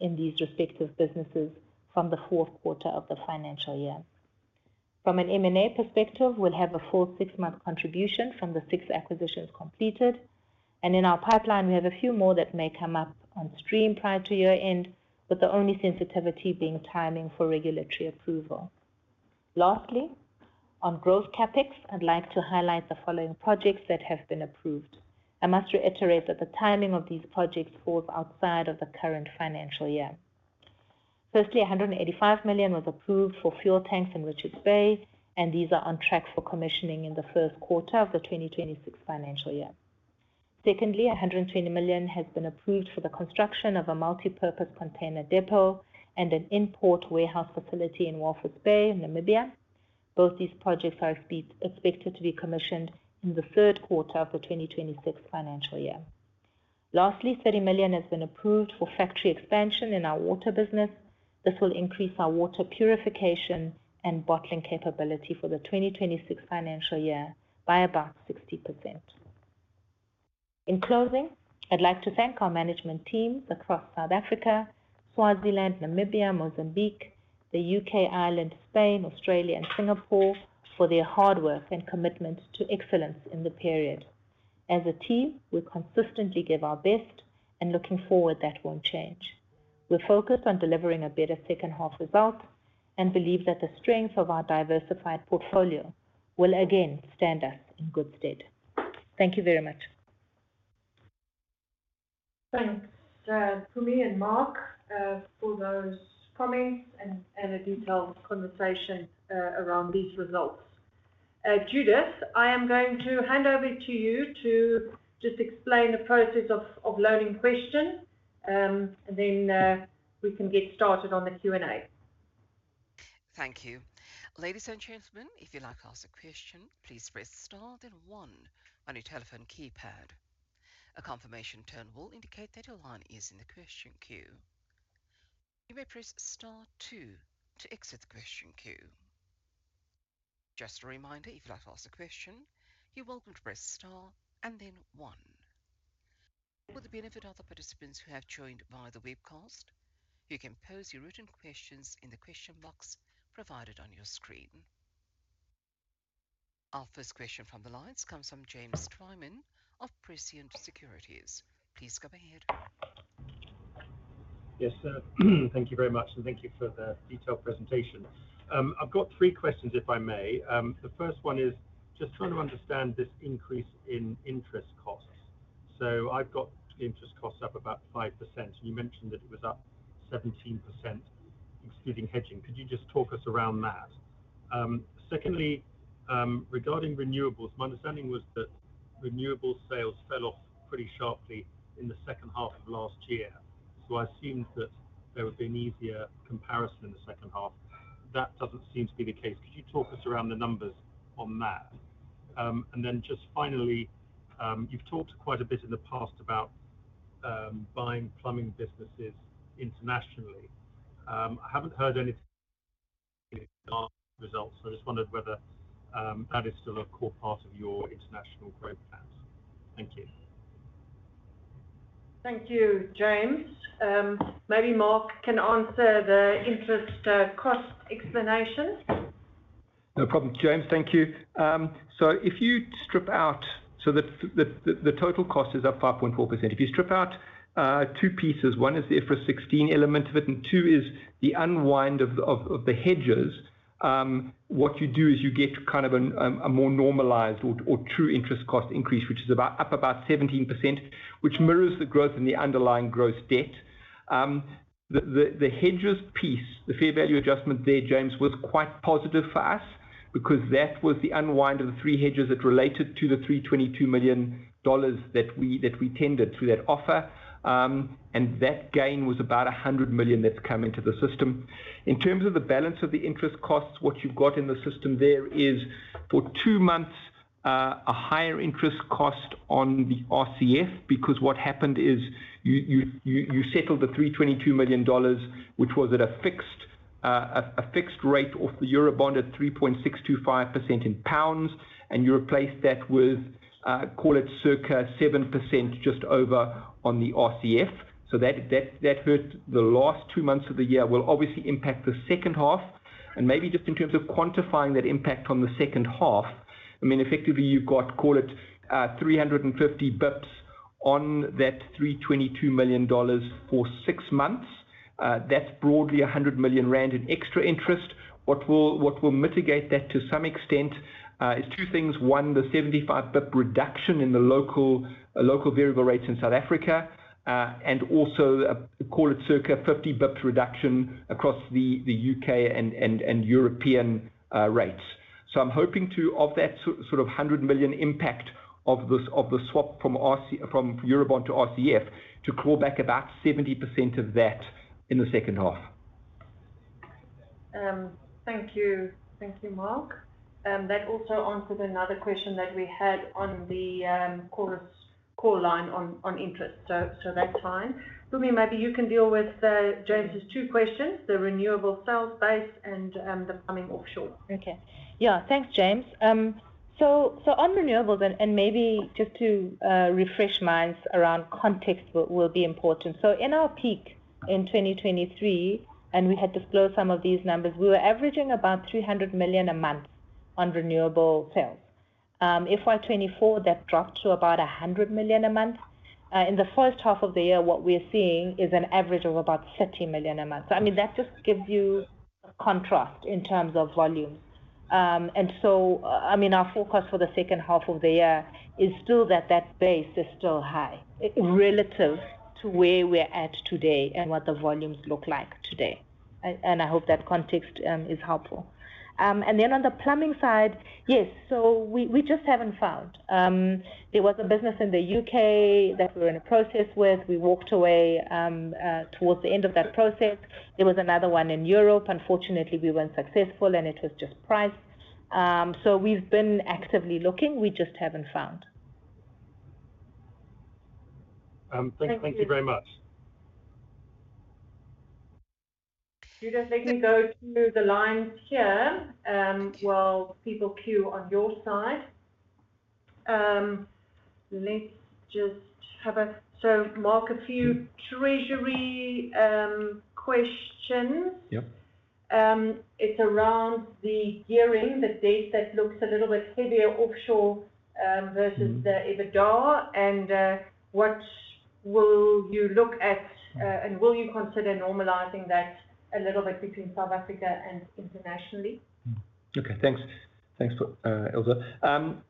Speaker 4: in these respective businesses from the fourth quarter of the financial year. From an M&A perspective, we'll have a full six-month contribution from the six acquisitions completed, and in our pipeline, we have a few more that may come up on stream prior to year-end, with the only sensitivity being timing for regulatory approval. Lastly, on growth CapEx, I'd like to highlight the following projects that have been approved. I must reiterate that the timing of these projects falls outside of the current financial year. Firstly, 185 million was approved for fuel tanks in Richards Bay, and these are on track for commissioning in the first quarter of the 2026 financial year. Secondly, 120 million has been approved for the construction of a multi-purpose container depot and an import warehouse facility in Walvis Bay, Namibia. Both these projects are expected to be commissioned in the third quarter of the 2026 financial year. Lastly, 30 million has been approved for factory expansion in our water business. This will increase our water purification and bottling capability for the 2026 financial year by about 60%. In closing, I'd like to thank our management teams across South Africa, Swaziland, Namibia, Mozambique, the U.K., Ireland, Spain, Australia, and Singapore for their hard work and commitment to excellence in the period. As a team, we consistently give our best, and looking forward, that won't change. We're focused on delivering a better second half result and believe that the strength of our diversified portfolio will again stand us in good stead. Thank you very much.
Speaker 2: Thanks, Pumi and Mark, for those comments and a detailed conversation around these results. Judith, I am going to hand over to you to just explain the process of loading questions, and then we can get started on the Q&A.
Speaker 1: Thank you. Ladies and gentlemen, if you'd like to ask a question, please press Star then One on your telephone keypad. A confirmation tone will indicate that your line is in the question queue. You may press Star Two to exit the question queue. Just a reminder, if you'd like to ask a question, you're welcome to press Star and then One. For the benefit of the participants who have joined via the webcast, you can pose your written questions in the question box provided on your screen. Our first question from the lines comes from James Twyman of Prescient Securities. Please go ahead.
Speaker 6: Yes, thank you very much, and thank you for the detailed presentation. I've got three questions, if I may. The first one is just trying to understand this increase in interest costs. So I've got interest costs up about 5%, and you mentioned that it was up 17%, excluding hedging. Could you just talk us around that? Secondly, regarding renewables, my understanding was that renewable sales fell off pretty sharply in the second half of last year, so I assumed that there would be an easier comparison in the second half. That doesn't seem to be the case. Could you talk us around the numbers on that? And then just finally, you've talked quite a bit in the past about buying plumbing businesses internationally. I haven't heard anything about the results, so I just wondered whether that is still a core part of your international growth plans. Thank you.
Speaker 2: Thank you, James. Maybe Mark can answer the interest cost explanation.
Speaker 5: No problem, James. Thank you. So if you strip out, so the total cost is up 5.4%. If you strip out two pieces, one is the FR16 element of it, and two is the unwind of the hedges, what you do is you get kind of a more normalized or true interest cost increase, which is up about 17%, which mirrors the growth in the underlying gross debt. The hedges piece, the fair value adjustment there, James, was quite positive for us because that was the unwind of the three hedges that related to the $322 million that we tendered through that offer, and that gain was about 100 million that's come into the system. In terms of the balance of the interest costs, what you've got in the system there is, for two months, a higher interest cost on the RCF because what happened is you settled the $322 million, which was at a fixed rate off the Eurobond at 3.625% in pounds, and you replaced that with, call it, circa 7% just over on the RCF. So that hurt the last two months of the year. It will obviously impact the second half, and maybe just in terms of quantifying that impact on the second half. I mean, effectively, you've got, call it, 350 basis points on that $322 million for six months. That's broadly 100 million rand in extra interest. What will mitigate that to some extent is two things. One, the 75 basis point reduction in the local variable rates in South Africa, and also, call it, circa 50 basis points reduction across the U.K. and European rates. So I'm hoping to, of that sort of 100 million impact of the swap from Eurobond to RCF, to claw back about 70% of that in the second half. Thank you.
Speaker 2: Thank you, Mark. That also answers another question that we had on the call line on interest. So that's fine. Pumi, maybe you can deal with James's two questions, the renewable sales base and the plumbing offshore. Okay.
Speaker 4: Yeah, thanks, James. So on renewables, and maybe just to refresh minds around context will be important. So in our peak in 2023, and we had to flow some of these numbers, we were averaging about 300 million a month on renewable sales. FY24, that dropped to about 100 million a month. In the first half of the year, what we're seeing is an average of about 30 million a month. So I mean, that just gives you a contrast in terms of volumes. And so, I mean, our focus for the second half of the year is still that that base is still high relative to where we're at today and what the volumes look like today. And I hope that context is helpful. And then on the plumbing side, yes, so we just haven't found. There was a business in the UK that we were in a process with. We walked away towards the end of that process. There was another one in Europe. Unfortunately, we weren't successful, and it was just priced. So we've been actively looking. We just haven't found.
Speaker 6: Thank you very much.
Speaker 2: Judith, let me go to the lines here while people queue on your side. Let's just have a—so Mark, a few treasury questions. It's around the gearing, the debt that looks a little bit heavier offshore versus the EBITDA. And what will you look at, and will you consider normalizing that a little bit between South Africa and internationally?
Speaker 5: Okay, thanks. Thanks, Ilze.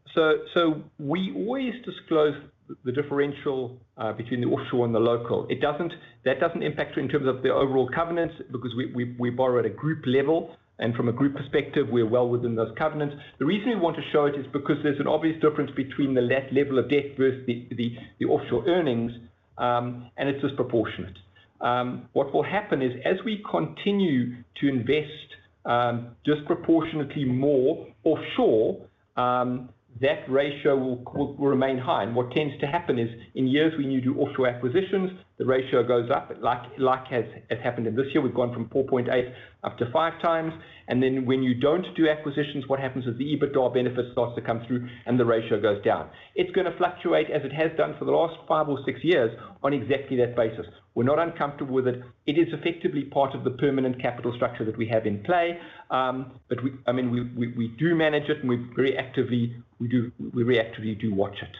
Speaker 5: So we always disclose the differential between the offshore and the local. That doesn't impact in terms of the overall covenants because we borrow at a group level, and from a group perspective, we're well within those covenants. The reason we want to show it is because there's an obvious difference between the level of debt versus the offshore earnings, and it's disproportionate. What will happen is, as we continue to invest disproportionately more offshore, that ratio will remain high. And what tends to happen is, in years when you do offshore acquisitions, the ratio goes up, like has happened in this year. We've gone from 4.8 up to five times. And then when you don't do acquisitions, what happens is the EBITDA benefits starts to come through, and the ratio goes down. It's going to fluctuate, as it has done for the last five or six years, on exactly that basis. We're not uncomfortable with it. It is effectively part of the permanent capital structure that we have in play, but I mean, we do manage it, and we very actively do watch it.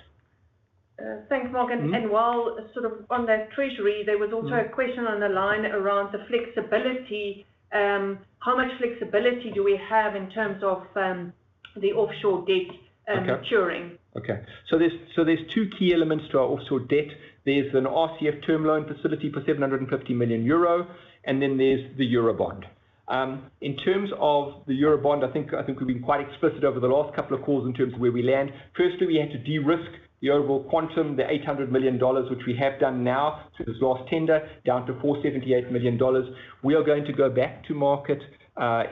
Speaker 5: Thanks, Mark. And while sort of on that treasury, there was also a question on the line around the flexibility. How much flexibility do we have in terms of the offshore debt curing? Okay. So there's two key elements to our offshore debt. There's an RCF term loan facility for €750 million, and then there's the Eurobond. In terms of the Eurobond, I think we've been quite explicit over the last couple of calls in terms of where we land. Firstly, we had to de-risk the overall quantum, the $800 million, which we have done now through this last tender, down to $478 million. We are going to go back to market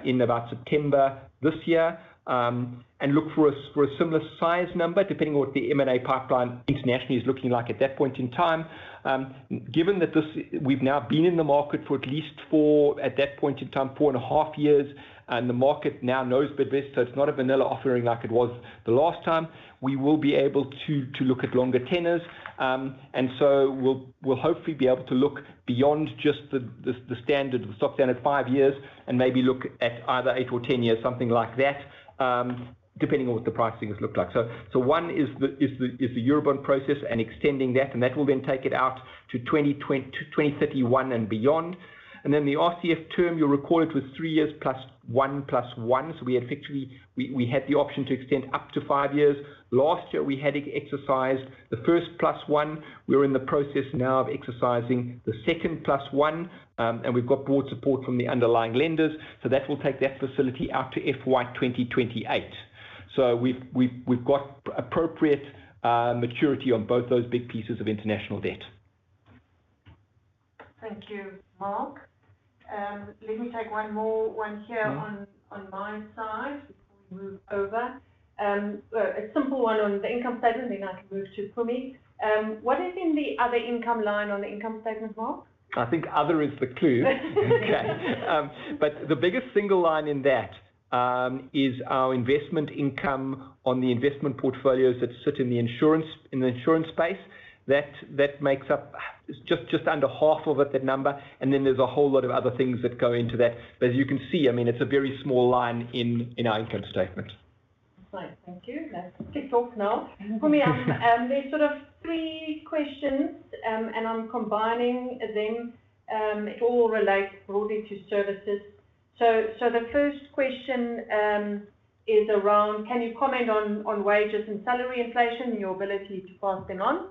Speaker 5: in about September this year and look for a similar size number, depending on what the M&A pipeline internationally is looking like at that point in time. Given that we've now been in the market for at least, at that point in time, four and a half years, and the market now knows bit by bit, so it's not a vanilla offering like it was the last time, we will be able to look at longer tenors. And so we'll hopefully be able to look beyond just the standard of the stock down at five years and maybe look at either eight or 10 years, something like that, depending on what the pricing has looked like. So one is the Eurobond process and extending that, and that will then take it out to 2031 and beyond. And then the RCF term, you'll record it with three years plus one plus one. So we had the option to extend up to five years. Last year, we had it exercised. The first plus one, we're in the process now of exercising the second plus one, and we've got broad support from the underlying lenders. So that will take that facility out to FY2028. So we've got appropriate maturity on both those big pieces of international debt.
Speaker 2: Thank you, Mark. Let me take one more one here on my side before we move over. A simple one on the income statement, then I can move to Pumi. What is in the other income line on the income statement, Mark?
Speaker 5: I think other is the clue. Okay. But the biggest single line in that is our investment income on the investment portfolios that sit in the insurance space. That makes up just under half of it, that number, and then there's a whole lot of other things that go into that. But as you can see, I mean, it's a very small line in our income statement.
Speaker 2: Thank you. Let's kick off now. Pumi, there's sort of three questions, and I'm combining them. It all relates broadly to services. So the first question is around, can you comment on wages and salary inflation and your ability to pass them on?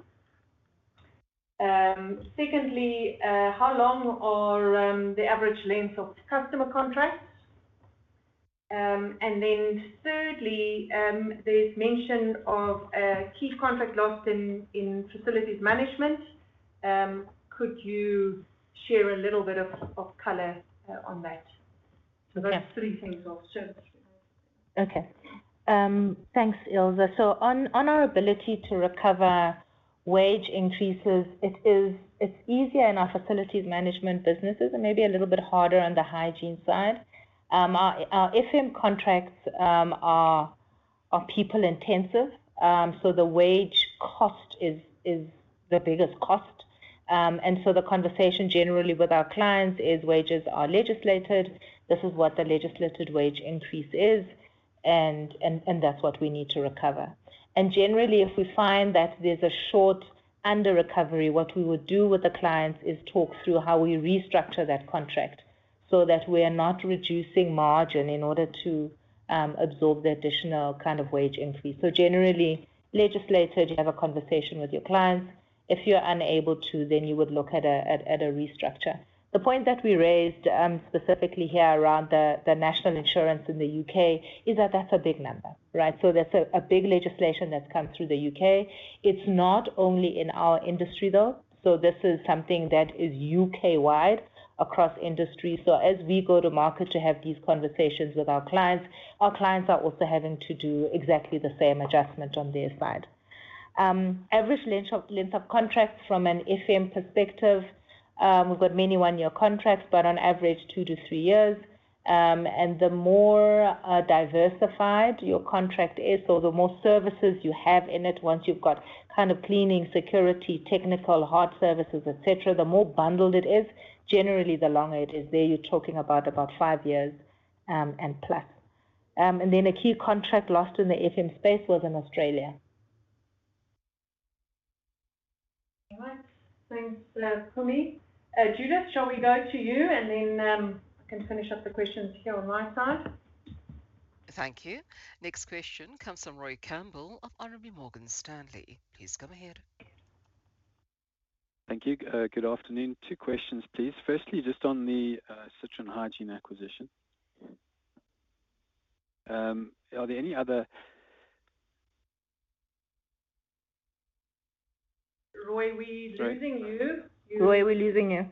Speaker 2: Secondly, how long are the average length of customer contracts? And then thirdly, there's mention of key contract loss in facilities management. Could you share a little bit of color on that? So those three things of services.
Speaker 4: Okay. Thanks, Ilze. So on our ability to recover wage increases, it's easier in our facilities management businesses and maybe a little bit harder on the hygiene side. Our FM contracts are people-intensive, so the wage cost is the biggest cost. And so the conversation generally with our clients is, wages are legislated. This is what the legislated wage increase is, and that's what we need to recover. And generally, if we find that there's a short under-recovery, what we would do with the clients is talk through how we restructure that contract so that we're not reducing margin in order to absorb the additional kind of wage increase. So generally, legislated, you have a conversation with your clients. If you're unable to, then you would look at a restructure. The point that we raised specifically here around the national insurance in the UK is that that's a big number, right? So that's a big legislation that's come through the UK. It's not only in our industry, though. So this is something that is UK-wide across industry. So as we go to market to have these conversations with our clients, our clients are also having to do exactly the same adjustment on their side. Average length of contract from an FM perspective, we've got many one-year contracts, but on average, two to three years. And the more diversified your contract is, so the more services you have in it, once you've got kind of cleaning, security, technical, hard services, etc., the more bundled it is. Generally, the longer it is there, you're talking about five years and plus. And then a key contract lost in the FM space was in Australia.
Speaker 2: Thanks, Pumi. Judith, shall we go to you, and then I can finish up the questions here on my side?
Speaker 1: Thank you. Next question comes from Roy Campbell of Morgan Stanley. Please come ahead.
Speaker 7: Thank you. Good afternoon. Two questions, please. Firstly, just on the Citron Hygiene acquisition. Are there any other? Roy, we're losing you. Roy, we're losing you.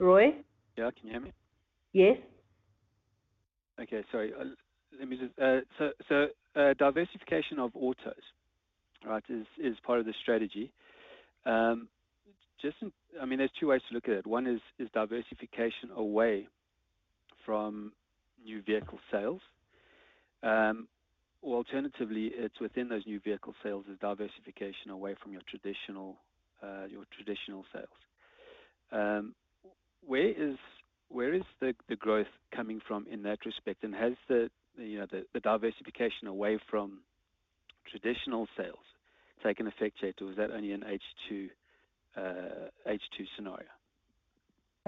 Speaker 7: Roy? Yeah, can you hear me? Yes. Okay, sorry. So diversification of autos, right, is part of the strategy. I mean, there's two ways to look at it. One is diversification away from new vehicle sales. Alternatively, it's within those new vehicle sales is diversification away from your traditional sales. Where is the growth coming from in that respect? And has the diversification away from traditional sales taken effect yet, or is that only an H2 scenario?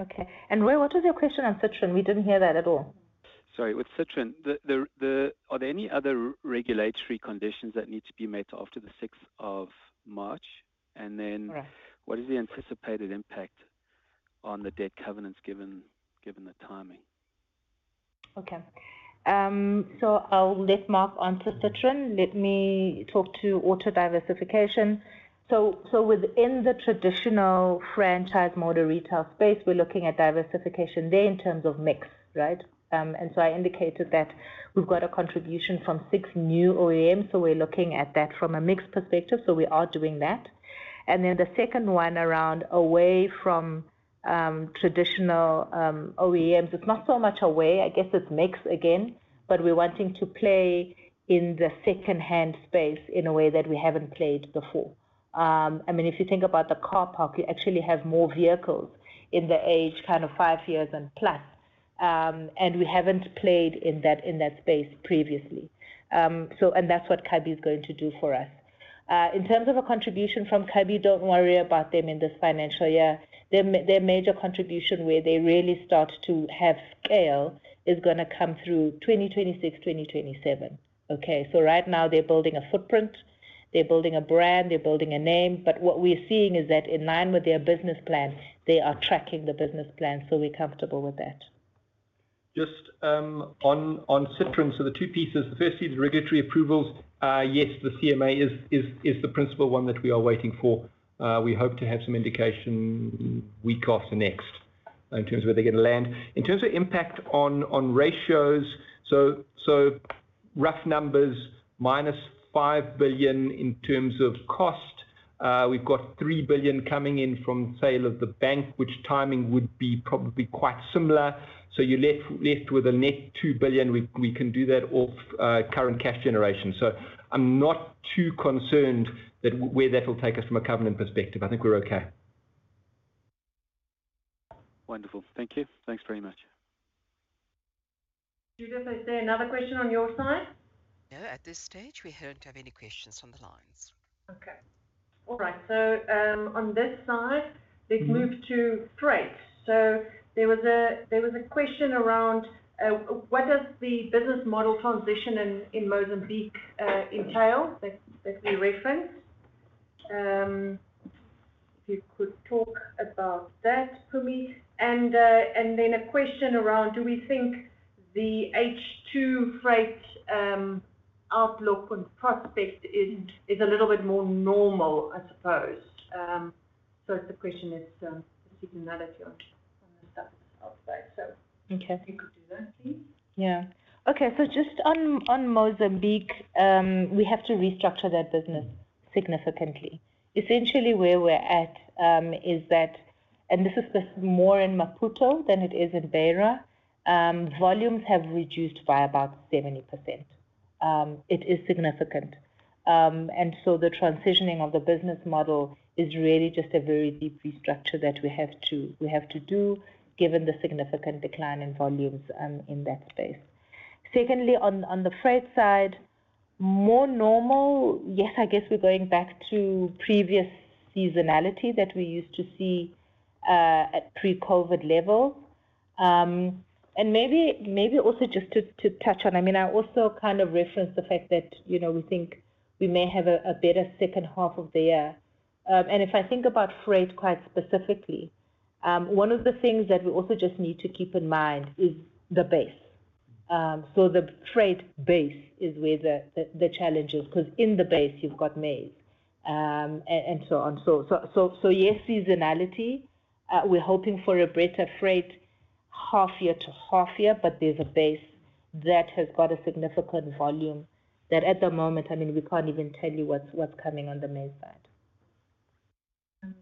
Speaker 4: Okay. And Roy, what was your question on Citron? We didn't hear that at all.
Speaker 7: Sorry. With Citron, are there any other regulatory conditions that need to be met after the 6th of March? And then what is the anticipated impact on the debt covenants given the timing?
Speaker 4: Okay. So I'll lift Mark onto Citron. Let me talk to auto diversification. So within the traditional franchise motor retail space, we're looking at diversification there in terms of mix, right? And so I indicated that we've got a contribution from six new OEMs, so we're looking at that from a mix perspective. So we are doing that. And then the second one around away from traditional OEMs, it's not so much away. I guess it's mix again, but we're wanting to play in the second-hand space in a way that we haven't played before. I mean, if you think about the car park, you actually have more vehicles in the age kind of five years and plus, and we haven't played in that space previously. And that's what CABI is going to do for us. In terms of a contribution from CABI don't worry about them in this financial year. Their major contribution where they really start to have scale is going to come through 2026, 2027. Okay? So right now, they're building a footprint. They're building a brand. They're building a name. But what we're seeing is that in line with their business plan, they are tracking the business plan, so we're comfortable with that.
Speaker 5: Just on Citron, so the two pieces. The first is the regulatory approvals. Yes, the CMA is the principal one that we are waiting for. We hope to have some indication week after next in terms of where they're going to land. In terms of impact on ratios, so rough numbers, minus 5 billion in terms of cost. We've got 3 billion coming in from sale of the bank, which timing would be probably quite similar. So you're left with a net 2 billion. We can do that off current cash generation. So I'm not too concerned where that will take us from a covenant perspective. I think we're okay.
Speaker 7: Wonderful. Thank you. Thanks very much.
Speaker 2: Judith, is there another question on your side?
Speaker 1: No, at this stage, we don't have any questions on the lines.
Speaker 2: Okay. All right. So on this side, they've moved to freight. So there was a question around what does the business model transition in Mozambique entail that we referenced? If you could talk about that, Pumi. And then a question around, do we think the H2 freight outlook and prospect is a little bit more normal, I suppose? So the question is, let's see the narrative on the stuff outside. So if you could do that, please.
Speaker 4: Yeah. Okay. So just on Mozambique, we have to restructure that business significantly. Essentially, where we're at is that, and this is more in Maputo than it is in Beira, volumes have reduced by about 70%. It is significant. And so the transitioning of the business model is really just a very deep restructure that we have to do given the significant decline in volumes in that space. Secondly, on the freight side, more normal. Yes, I guess we're going back to previous seasonality that we used to see at pre-COVID level. And maybe also just to touch on, I mean, I also kind of referenced the fact that we think we may have a better second half of the year. And if I think about freight quite specifically, one of the things that we also just need to keep in mind is the base. The freight base is where the challenge is because in the base, you've got maize and so on. So yes, seasonality. We're hoping for a better freight half year to half year, but there's a base that has got a significant volume that at the moment, I mean, we can't even tell you what's coming on the maize side.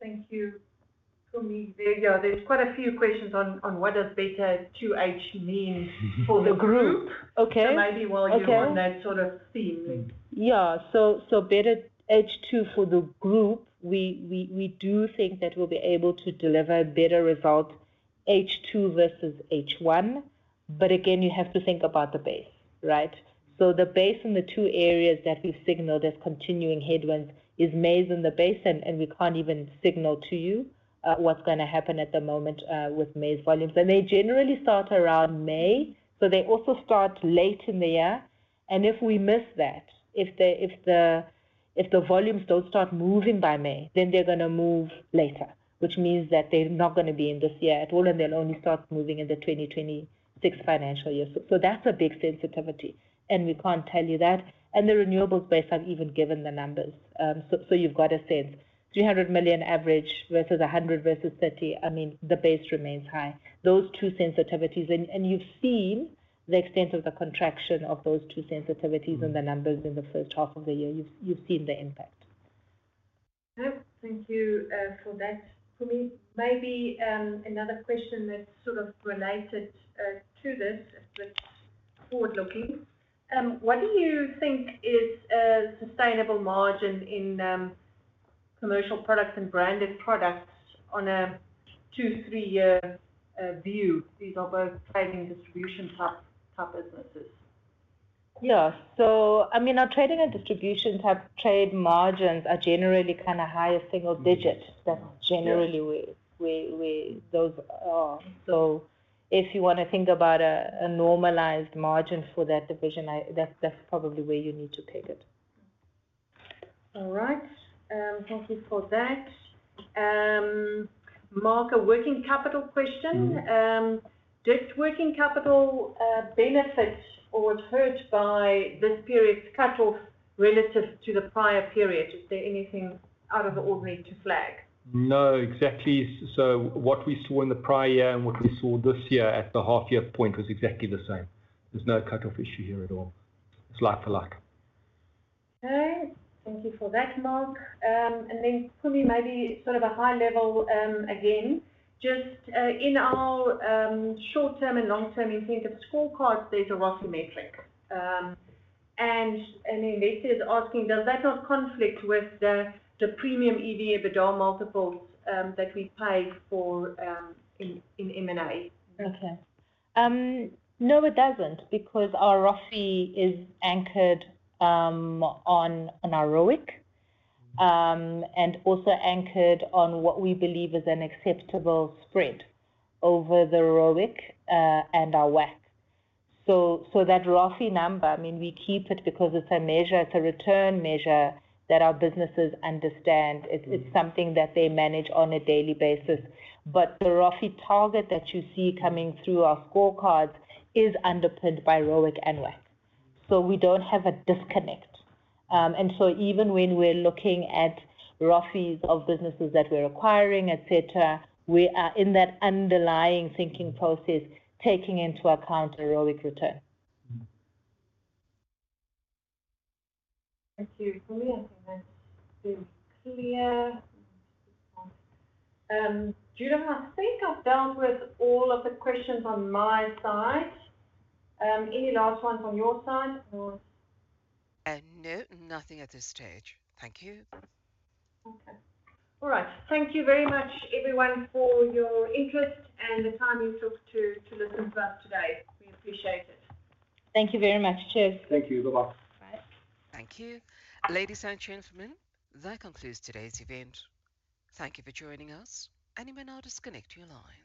Speaker 2: Thank you. There's quite a few questions on what does better H2 mean for the group. So maybe while you're on that sort of theme.
Speaker 4: Yeah. So better H2 for the group, we do think that we'll be able to deliver better results, H2 versus H1. But again, you have to think about the base, right? So the base in the two areas that we've signaled as continuing headwinds is maize in the base, and we can't even signal to you what's going to happen at the moment with maize volumes. And they generally start around May, so they also start late in the year. And if we miss that, if the volumes don't start moving by May, then they're going to move later, which means that they're not going to be in this year at all, and they'll only start moving in the 2026 financial year. So that's a big sensitivity, and we can't tell you that. And the renewables base I've even given the numbers, so you've got a sense. 300 million average versus 100 versus 30, I mean, the base remains high. Those two sensitivities, and you've seen the extent of the contraction of those two sensitivities and the numbers in the first half of the year. You've seen the impact.
Speaker 2: Thank you for that, Pumi. Maybe another question that's sort of related to this, a bit forward-looking. What do you think is sustainable margin in commercial products and branded products on a two, three-year view? These are both trading distribution-type businesses.
Speaker 4: Yeah. So I mean, our trading and distribution-type trade margins are generally kind of higher single digit. That's generally where those are. So if you want to think about a normalized margin for that division, that's probably where you need to pick it.
Speaker 2: All right. Thank you for that. Mark, a working capital question. Does working capital benefit or hurt by this period's cut-off relative to the prior period? Is there anything out of the ordinary to flag?
Speaker 5: No, exactly. What we saw in the prior year and what we saw this year at the half-year point was exactly the same. There's no cut-off issue here at all. It's like for like.
Speaker 2: Okay. Thank you for that, Mark. And then, Pumi, maybe sort of a high-level again, just in terms of scorecards, there's a ROIC metric. And I mean, this is asking, does that not conflict with the premium EV/EBITDA multiples that we pay for in M&A?
Speaker 4: Okay. No, it doesn't because our ROIC is anchored on our ROIC and also anchored on what we believe is an acceptable spread over the ROIC and our WACC. So that ROIC number, I mean, we keep it because it's a measure, it's a return measure that our businesses understand. It's something that they manage on a daily basis. But the rough target that you see coming through our scorecards is underpinned by ROIC and WACC. So we don't have a disconnect. And so even when we're looking at rough of businesses that we're acquiring, etc., we are in that underlying thinking process, taking into account the ROIC return.
Speaker 2: Thank you. Pumi, I think that's very clear. Judith, I think I've dealt with all of the questions on my side. Any last ones on your side, or?
Speaker 1: No, nothing at this stage. Thank you.
Speaker 2: Okay. All right. Thank you very much, everyone, for your interest and the time you took to listen to us today. We appreciate it.
Speaker 4: Thank you very much. Cheers.
Speaker 5: Thank you. Bye-bye. Bye.
Speaker 1: Thank you. Ladies and gentlemen, that concludes today's event. Thank you for joining us, and you may now disconnect your lines.